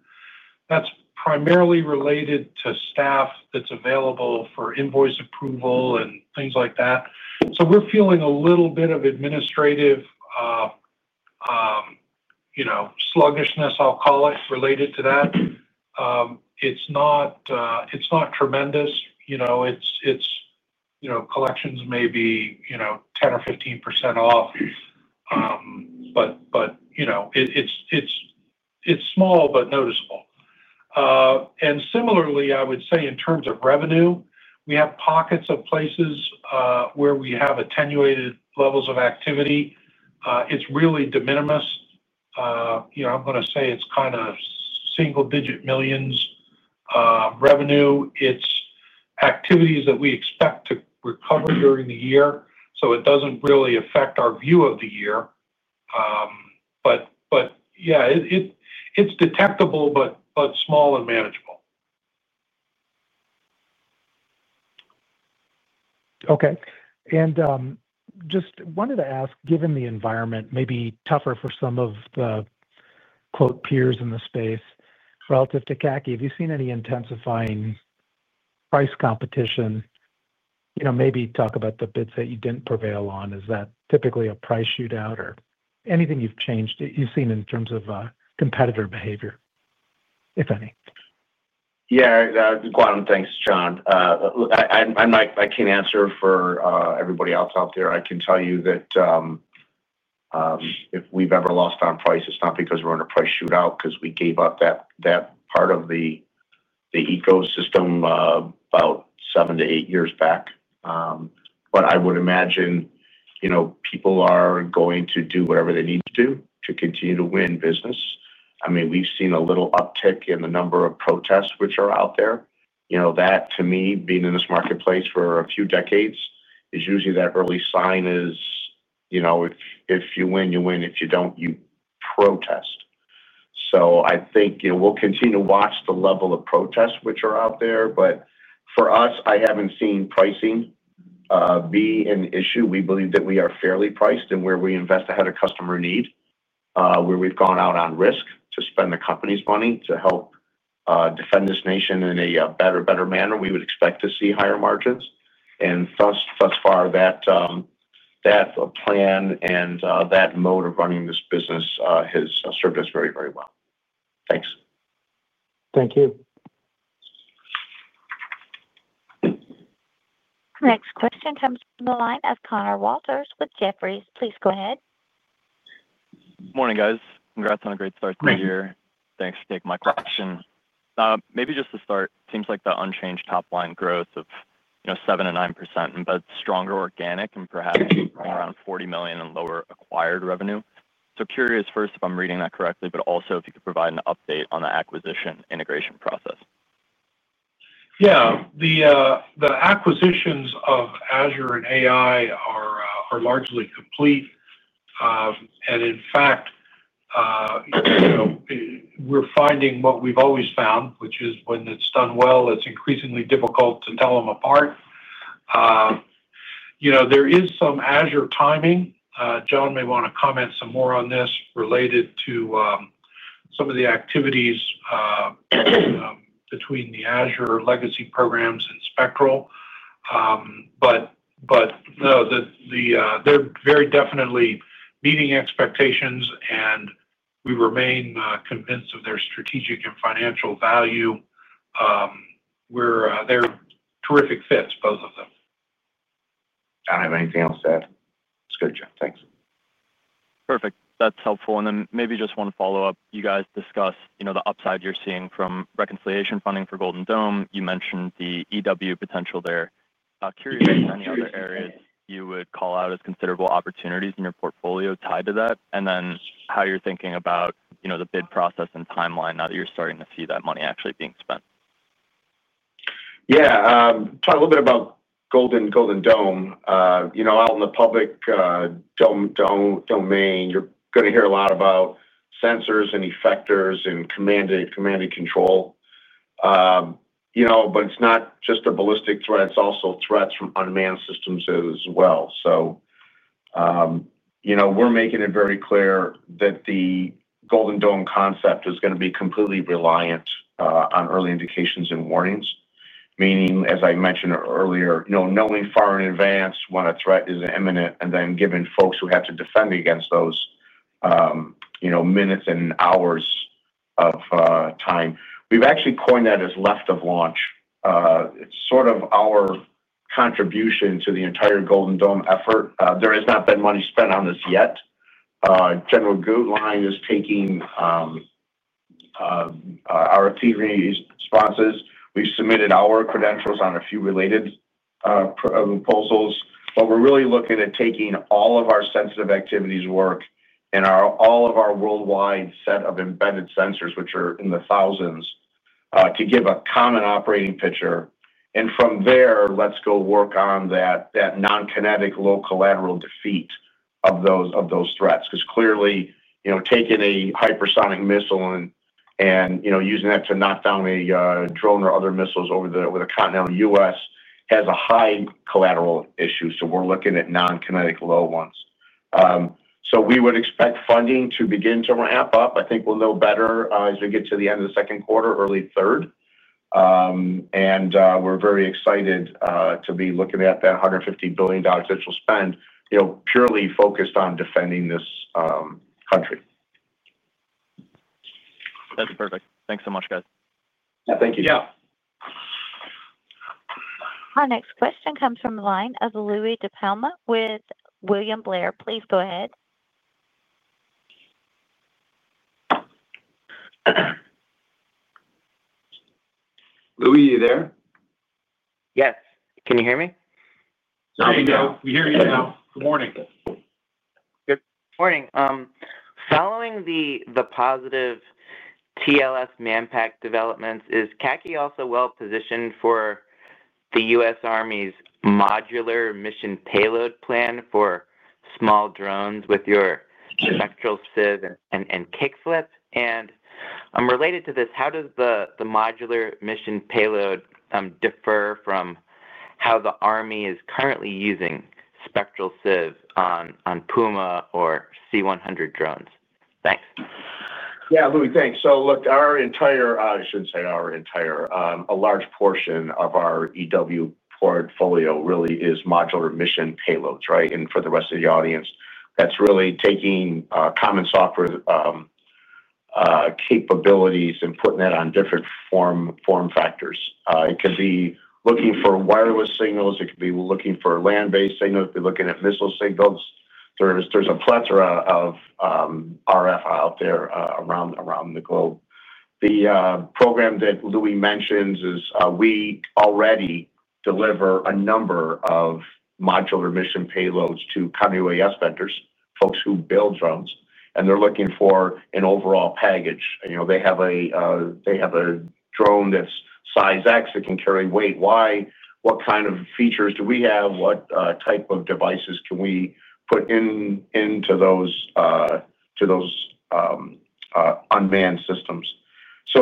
Speaker 4: that's primarily related to staff that's available for invoice approval and things like that. We're feeling a little bit of administrative sluggishness, I'll call it, related to that. It's not tremendous. Collections may be 10% or 15% off. It's small but noticeable. Similarly, I would say in terms of revenue, we have pockets of places where we have attenuated levels of activity. It's really de minimis. I'm going to say it's kind of single-digit millions revenue. It's activities that we expect to recover during the year. It doesn't really affect our view of the year. It's detectable but small and manageable.
Speaker 11: Okay. Just wanted to ask, given the environment may be tougher for some of the "peers" in the space relative to CACI, have you seen any intensifying price competition? Maybe talk about the bits that you didn't prevail on. Is that typically a price shootout or anything you've changed that you've seen in terms of competitor behavior, if any?
Speaker 3: Yeah, I'm glad I'm thinking, John. I can't answer for everybody else out there. I can tell you that if we've ever lost on price, it's not because we're in a price shootout, because we gave up that part of the ecosystem about seven to eight years back. I would imagine people are going to do whatever they need to do to continue to win business. We've seen a little uptick in the number of protests which are out there. That to me, being in this marketplace for a few decades, is usually that early sign. If you win, you win. If you don't, you protest. I think we'll continue to watch the level of protests which are out there. For us, I haven't seen pricing be an issue. We believe that we are fairly priced and where we invest ahead of customer need, where we've gone out on risk to spend the company's money to help defend this nation in a better, better manner, we would expect to see higher margins. Thus far, that plan and that mode of running this business has served us very, very well. Thanks.
Speaker 11: Thank you.
Speaker 1: Our next question comes from the line of Conor Walters with Jefferies. Please go ahead.
Speaker 12: Morning, guys. Congrats on a great start to the year. Thanks for taking my question. Maybe just to start, it seems like the unchanged top-line growth of 7% to 9%, but stronger organic and perhaps around $40 million in lower acquired revenue. Curious first if I'm reading that correctly, but also if you could provide an update on the acquisition integration process.
Speaker 4: Yeah, the acquisitions of Azure and AI are largely complete. In fact, you know, we're finding what we've always found, which is when it's done well, it's increasingly difficult to tell them apart. There is some Azure timing. John may want to comment some more on this related to some of the activities between the Azure legacy programs and Spectral. No, they're very definitely meeting expectations, and we remain convinced of their strategic and financial value. They're terrific fits, both of them.
Speaker 3: I don't have anything else to add.
Speaker 12: That's good, John. Thanks. Perfect. That's helpful. Maybe just want to follow up. You guys discussed the upside you're seeing from reconciliation funding for Golden Dome. You mentioned the EW potential there. Curious if there's any other areas you would call out as considerable opportunities in your portfolio tied to that, and then how you're thinking about the bid process and timeline now that you're starting to see that money actually being spent.
Speaker 3: Yeah, I'll talk a little bit about Golden Dome. Out in the public domain, you're going to hear a lot about sensors and effectors and command and control. It's not just a ballistic threat. It's also threats from unmanned systems as well. We're making it very clear that the Golden Dome concept is going to be completely reliant on early indications and warnings, meaning, as I mentioned earlier, knowing far in advance when a threat is imminent and then giving folks who have to defend against those minutes and hours of time. We've actually coined that as left of launch. It's sort of our contribution to the entire Golden Dome effort. There has not been money spent on this yet. General Gutlein is taking our FEV responses. We've submitted our credentials on a few related proposals, but we're really looking at taking all of our sensitive activities work and all of our worldwide set of embedded sensors, which are in the thousands, to give a common operating picture. From there, let's go work on that non-kinetic low collateral defeat of those threats. Clearly, taking a hypersonic missile and using that to knock down a drone or other missiles over the continental United States has a high collateral issue. We're looking at non-kinetic low ones. We would expect funding to begin to ramp up. I think we'll know better as we get to the end of the second quarter, early third. We're very excited to be looking at that $150 billion initial spend, purely focused on defending this country.
Speaker 12: That's perfect. Thanks so much, guys.
Speaker 3: Yeah, thank you.
Speaker 12: Yeah.
Speaker 1: Our next question comes from the line of Louis DiPalma with William Blair. Please go ahead.
Speaker 3: Louis, are you there?
Speaker 13: Yes, can you hear me?
Speaker 3: Yes, we hear you now. Good morning.
Speaker 13: Good morning. Following the positive TLS Manpack developments, is CACI also well-positioned for the U.S. Army's modular mission payload plan for small drones with your Spectral SIF and Kickflip? Related to this, how does the modular mission payload differ from how the Army is currently using Spectral SIF on Puma or C-100 drones? Thanks.
Speaker 3: Yeah, Louis, thanks. Look, a large portion of our EW portfolio really is modular mission payloads, right? For the rest of the audience, that's really taking common software capabilities and putting that on different form factors. It could be looking for wireless signals. It could be looking for land-based signals. It could be looking at missile signals. There's a plethora of RF out there around the globe. The program that Louis mentions is we already deliver a number of modular mission payloads to counter-UAS vendors, folks who build drones, and they're looking for an overall package. They have a drone that's size X that can carry weight Y. What kind of features do we have? What type of devices can we put into those unmanned systems?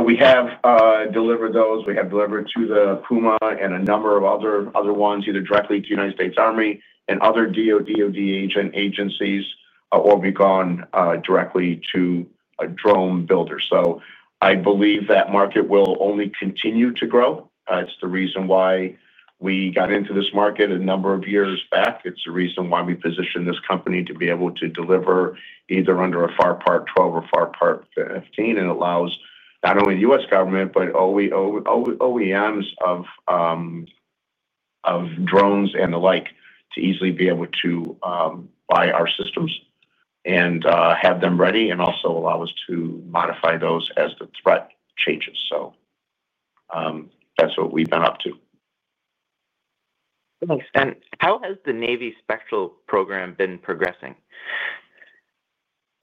Speaker 3: We have delivered those. We have delivered to the Puma and a number of other ones, either directly to the United States Army and other DOD agencies, or we've gone directly to a drone builder. I believe that market will only continue to grow. It's the reason why we got into this market a number of years back. It's the reason why we positioned this company to be able to deliver either under a FAR Part 12 or FAR Part 15. It allows not only the U.S. government, but OEMs of drones and the like to easily be able to buy our systems and have them ready and also allow us to modify those as the threat changes. That's what we've been up to.
Speaker 13: That makes sense. How has the Navy Spectral program been progressing?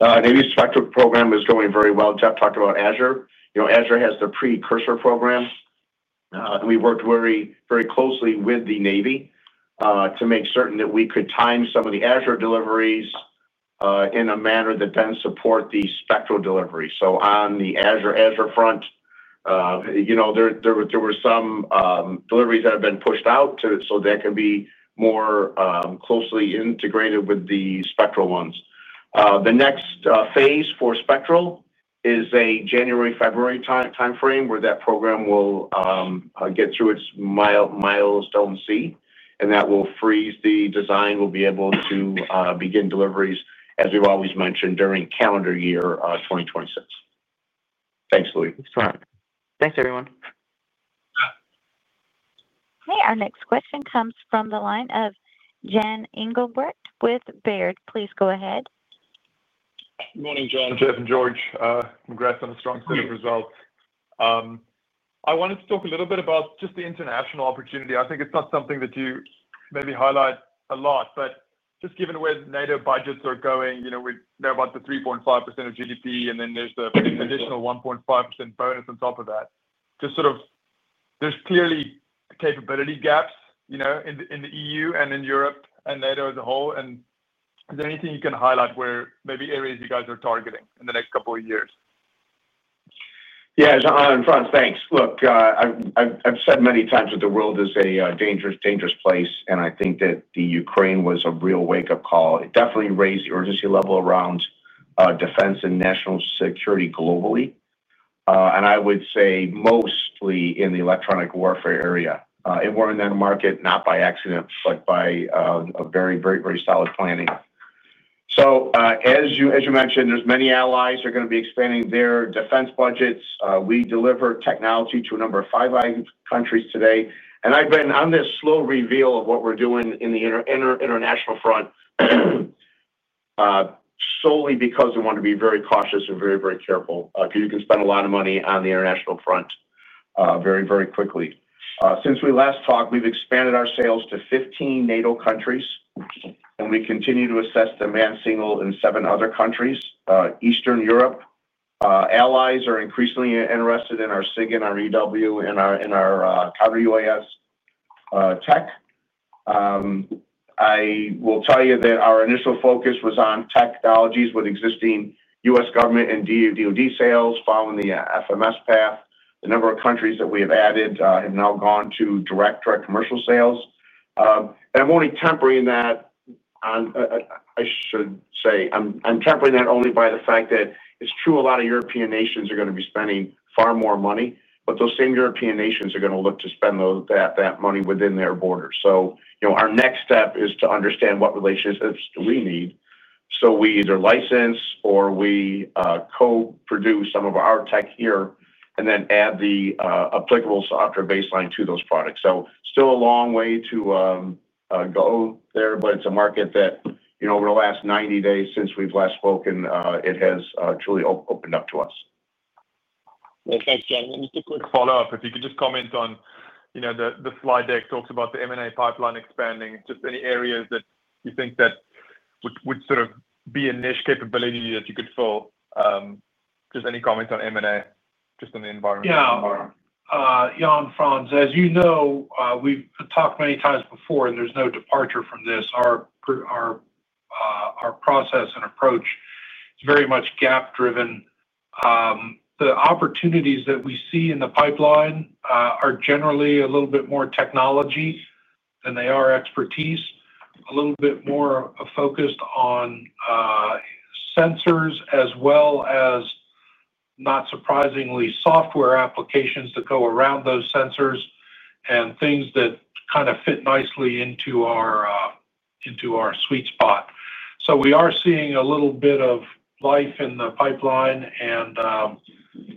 Speaker 3: Navy Spectral program is going very well. Jeff talked about Azure. Azure has the precursor program, and we worked very, very closely with the Navy to make certain that we could time some of the Azure deliveries in a manner that then support the Spectral delivery. On the Azure front, there were some deliveries that have been pushed out so that can be more closely integrated with the Spectral ones. The next phase for Spectral is a January-February timeframe where that program will get through its milestone C, and that will freeze the design. We'll be able to begin deliveries, as we've always mentioned, during calendar year 2026. Thanks, Louis.
Speaker 13: Thanks, John. Thanks, everyone.
Speaker 1: Okay, our next question comes from the line of Jon Illingworth with Baird. Please go ahead.
Speaker 14: Morning, John, Jeff, and George. Congrats on a strong set of results. I wanted to talk a little bit about just the international opportunity. I think it's not something that you maybe highlight a lot, but just given where the NATO budgets are going, you know, we know about the 3.5% of GDP, and then there's an additional 1.5% bonus on top of that. There's clearly capability gaps, you know, in the EU and in Europe and NATO as a whole. Is there anything you can highlight where maybe areas you guys are targeting in the next couple of years?
Speaker 3: Yeah, John, thanks. Look, I've said many times that the world is a dangerous, dangerous place, and I think that Ukraine was a real wake-up call. It definitely raised the urgency level around defense and national security globally, mostly in the electronic warfare area. It won that market not by accident, but by very, very, very solid planning. As you mentioned, there are many allies that are going to be expanding their defense budgets. We deliver technology to a number of five countries today. I've been on this slow reveal of what we're doing on the international front solely because we want to be very cautious and very, very careful because you can spend a lot of money on the international front very, very quickly. Since we last talked, we've expanded our sales to 15 NATO countries, and we continue to assess demand signal in seven other countries. Eastern Europe allies are increasingly interested in our SIG, our EW, and our counter-UAS tech. I will tell you that our initial focus was on technologies with existing U.S. government and DOD sales following the FMS path. A number of countries that we have added have now gone to direct, direct commercial sales. I'm tempering that only by the fact that it's true a lot of European nations are going to be spending far more money, but those same European nations are going to look to spend that money within their borders. Our next step is to understand what relationships we need so we either license or we co-produce some of our tech here and then add the applicable software baseline to those products. Still a long way to go there, but it's a market that, over the last 90 days since we've last spoken, has truly opened up to us.
Speaker 14: Thank you, John. Just a quick follow-up, if you could comment on, you know, the slide deck talks about the M&A pipeline expanding, just any areas that you think would sort of be a niche capability that you could fill. Any comments on M&A, just in the environment.
Speaker 3: Yeah. John, as you know, we've talked many times before, and there's no departure from this. Our process and approach is very much gap-driven. The opportunities that we see in the pipeline are generally a little bit more technology than they are expertise, a little bit more focused on sensors as well as, not surprisingly, software applications that go around those sensors and things that kind of fit nicely into our sweet spot. We are seeing a little bit of life in the pipeline, and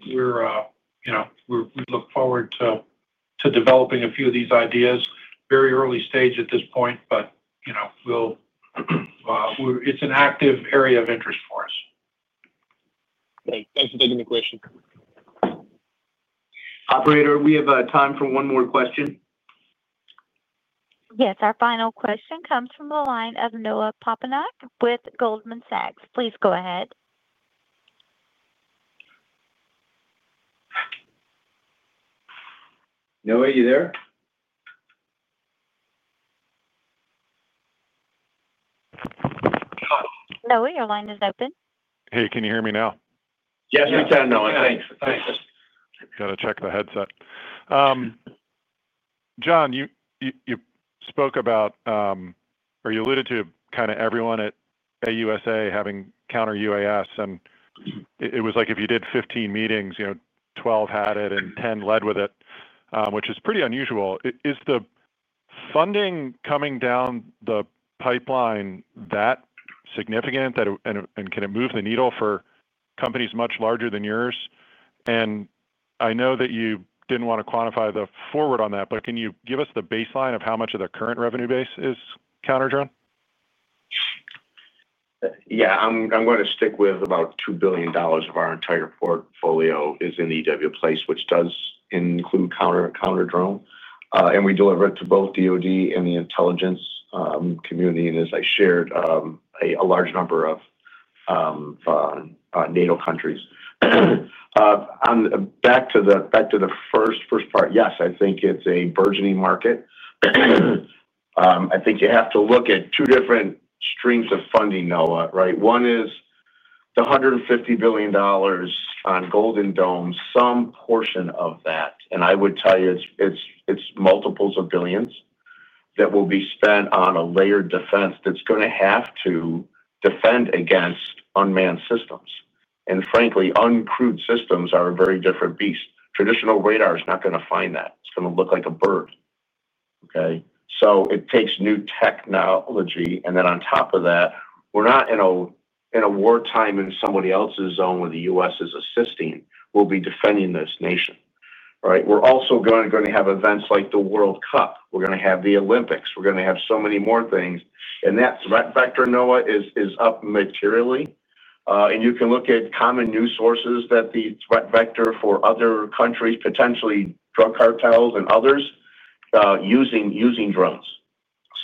Speaker 3: we look forward to developing a few of these ideas. Very early stage at this point, but you know, it's an active area of interest for us.
Speaker 14: Thanks for taking the question.
Speaker 3: Operator, we have time for one more question.
Speaker 1: Yes, our final question comes from the line of Noah Poponak with Goldman Sachs. Please go ahead.
Speaker 3: Noah, are you there?
Speaker 1: Noah, your line is open.
Speaker 15: Hey, can you hear me now?
Speaker 3: Yes, we can, Noah. Thanks.
Speaker 15: Got to check the headset. John, you spoke about, or you alluded to kind of everyone at AUSA having counter-UAS, and it was like if you did 15 meetings, 12 had it and 10 led with it, which is pretty unusual. Is the funding coming down the pipeline that significant? Can it move the needle for companies much larger than yours? I know that you didn't want to quantify the forward on that, but can you give us the baseline of how much of the current revenue base is counter-drone?
Speaker 3: Yeah, I'm going to stick with about $2 billion of our entire portfolio is in the EW place, which does include counter-drone. We deliver it to both DOD and the intelligence community, and as I shared, a large number of NATO countries. Back to the first part, yes, I think it's a burgeoning market. I think you have to look at two different streams of funding, Noah, right? One is the $150 billion on Golden Dome, some portion of that, and I would tell you it's multiples of billions that will be spent on a layered defense that's going to have to defend against unmanned systems. Frankly, uncrewed systems are a very different beast. Traditional radar is not going to find that. It's going to look like a bird. Okay? It takes new technology, and then on top of that, we're not in a war time in somebody else's zone where the U.S. is assisting. We'll be defending this nation. We're also going to have events like the World Cup. We're going to have the Olympics. We're going to have so many more things. That threat vector, Noah, is up materially. You can look at common news sources that the threat vector for other countries, potentially drug cartels and others, using drones.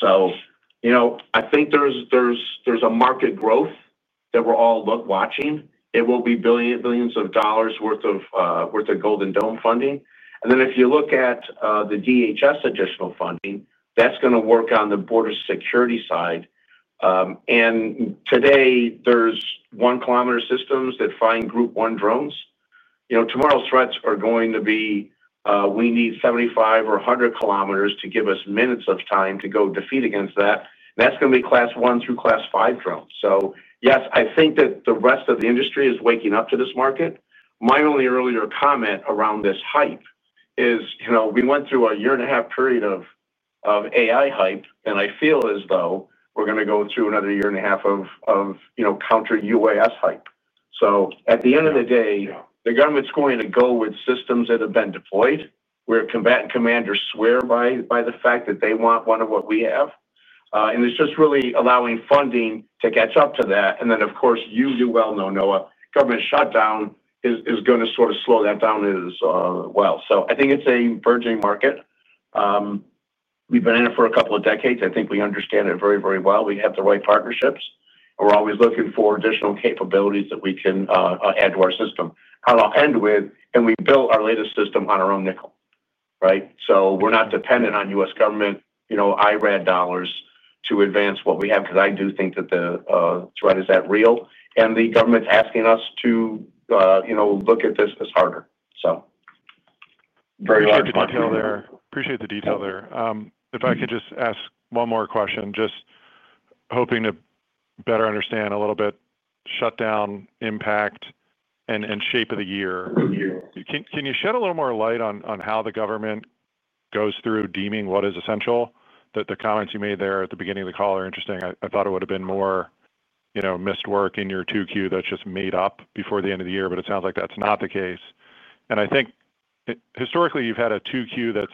Speaker 3: I think there's a market growth that we're all watching. It will be billions of dollars worth of Golden Dome funding. If you look at the DHS additional funding, that's going to work on the border security side. Today, there's one kilometer systems that find Group 1 drones. Tomorrow's threats are going to be, we need 75 or 100km to give us minutes of time to go defeat against that. That's going to be class one through class five drones. Yes, I think that the rest of the industry is waking up to this market. My only earlier comment around this hype is, we went through a year and a half period of AI hype, and I feel as though we're going to go through another year and a half of counter-UAS hype. At the end of the day, the government's going to go with systems that have been deployed, where combatant commanders swear by the fact that they want one of what we have. It's just really allowing funding to catch up to that. Of course, you do well know, Noah, government shutdown is going to sort of slow that down as well. I think it's a burgeoning market. We've been in it for a couple of decades. I think we understand it very, very well. We have the right partnerships. We're always looking for additional capabilities that we can add to our system. I'll end with, we built our latest system on our own nickel, right? We're not dependent on U.S. government, you know, IRAD dollars to advance what we have because I do think that the threat is that real. The government's asking us to look at this as harder. Very hard to do.
Speaker 15: I appreciate the detail there. If I could just ask one more question, just hoping to better understand a little bit shutdown impact and shape of the year. Can you shed a little more light on how the government goes through deeming what is essential? The comments you made there at the beginning of the call are interesting. I thought it would have been more, you know, missed work in your 2Q that's just made up before the end of the year, but it sounds like that's not the case. I think, historically, you've had a Q2 that's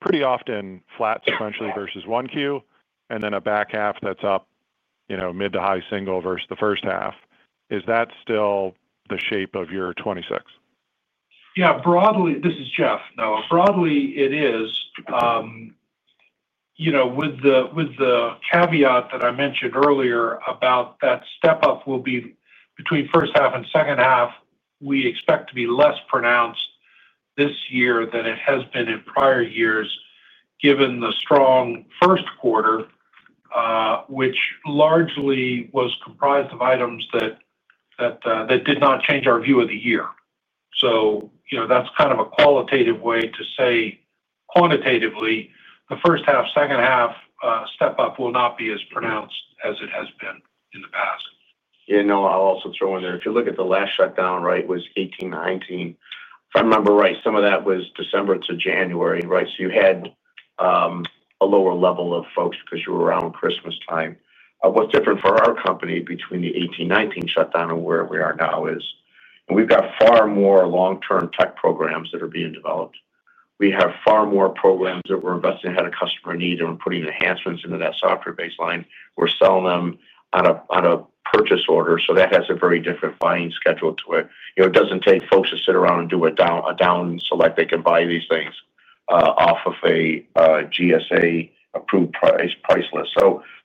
Speaker 15: pretty often flat sequentially versus Q1, and then a back half that's up, you know, mid to high single digits versus the first half. Is that still the shape of your 2026?
Speaker 4: Yeah, broadly this is Jeff. It is, you know, with the caveat that I mentioned earlier about that step up will be between first half and second half. We expect to be less pronounced this year than it has been in prior years, given the strong first quarter, which largely was comprised of items that did not change our view of the year. That's kind of a qualitative way to say quantitatively the first half, second half step up will not be as pronounced as it has been in the past.
Speaker 3: Yeah, no, I'll also throw in there, if you look at the last shutdown, right, it was 2018-2019. If I remember right, some of that was December to January, right? You had a lower level of folks because you were around Christmas time. What's different for our company between the 2018-2019 shutdown and where we are now is we've got far more long-term tech programs that are being developed. We have far more programs that we're investing ahead of customer need, and we're putting enhancements into that software baseline. We're selling them on a purchase order, so that has a very different buying schedule to it. It doesn't take folks to sit around and do a down select. They can buy these things off of a GSA-approved price list.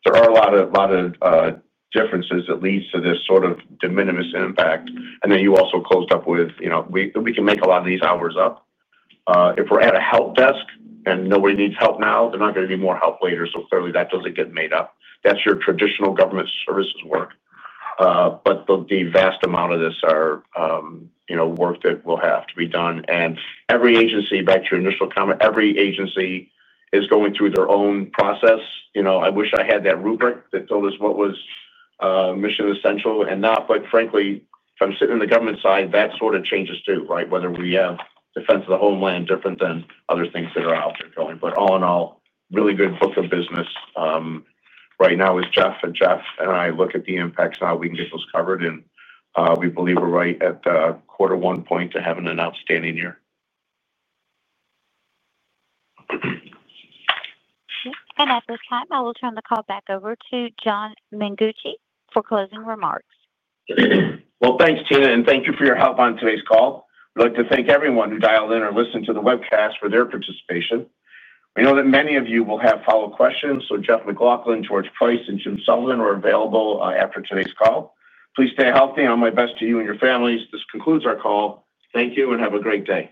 Speaker 3: There are a lot of differences that lead to this sort of de minimis impact. You also closed up with, you know, we can make a lot of these hours up. If we're at a help desk and nobody needs help now, they're not going to need more help later. Clearly that doesn't get made up. That's your traditional government services work, but the vast amount of this is work that will have to be done. Every agency, back to your initial comment, every agency is going through their own process. I wish I had that rubric that told us what was mission essential and not. Frankly, if I'm sitting in the government side, that sort of changes too, right? Whether we have defense of the homeland different than other things that are out there going. All in all, really good book of business right now with Jeff. Jeff and I look at the impacts and how we can get those covered. We believe we're right at the quarter one point to having an outstanding year.
Speaker 1: Okay. At this time, I will turn the call back over to John Mengucci for closing remarks.
Speaker 3: Thank you, Tina, and thank you for your help on today's call. We'd like to thank everyone who dialed in or listened to the webcast for their participation. We know that many of you will have follow-up questions, so Jeff MacLauchlan, George Price, and Jim Sullivan are available after today's call. Please stay healthy, and all my best to you and your families. This concludes our call. Thank you and have a great day.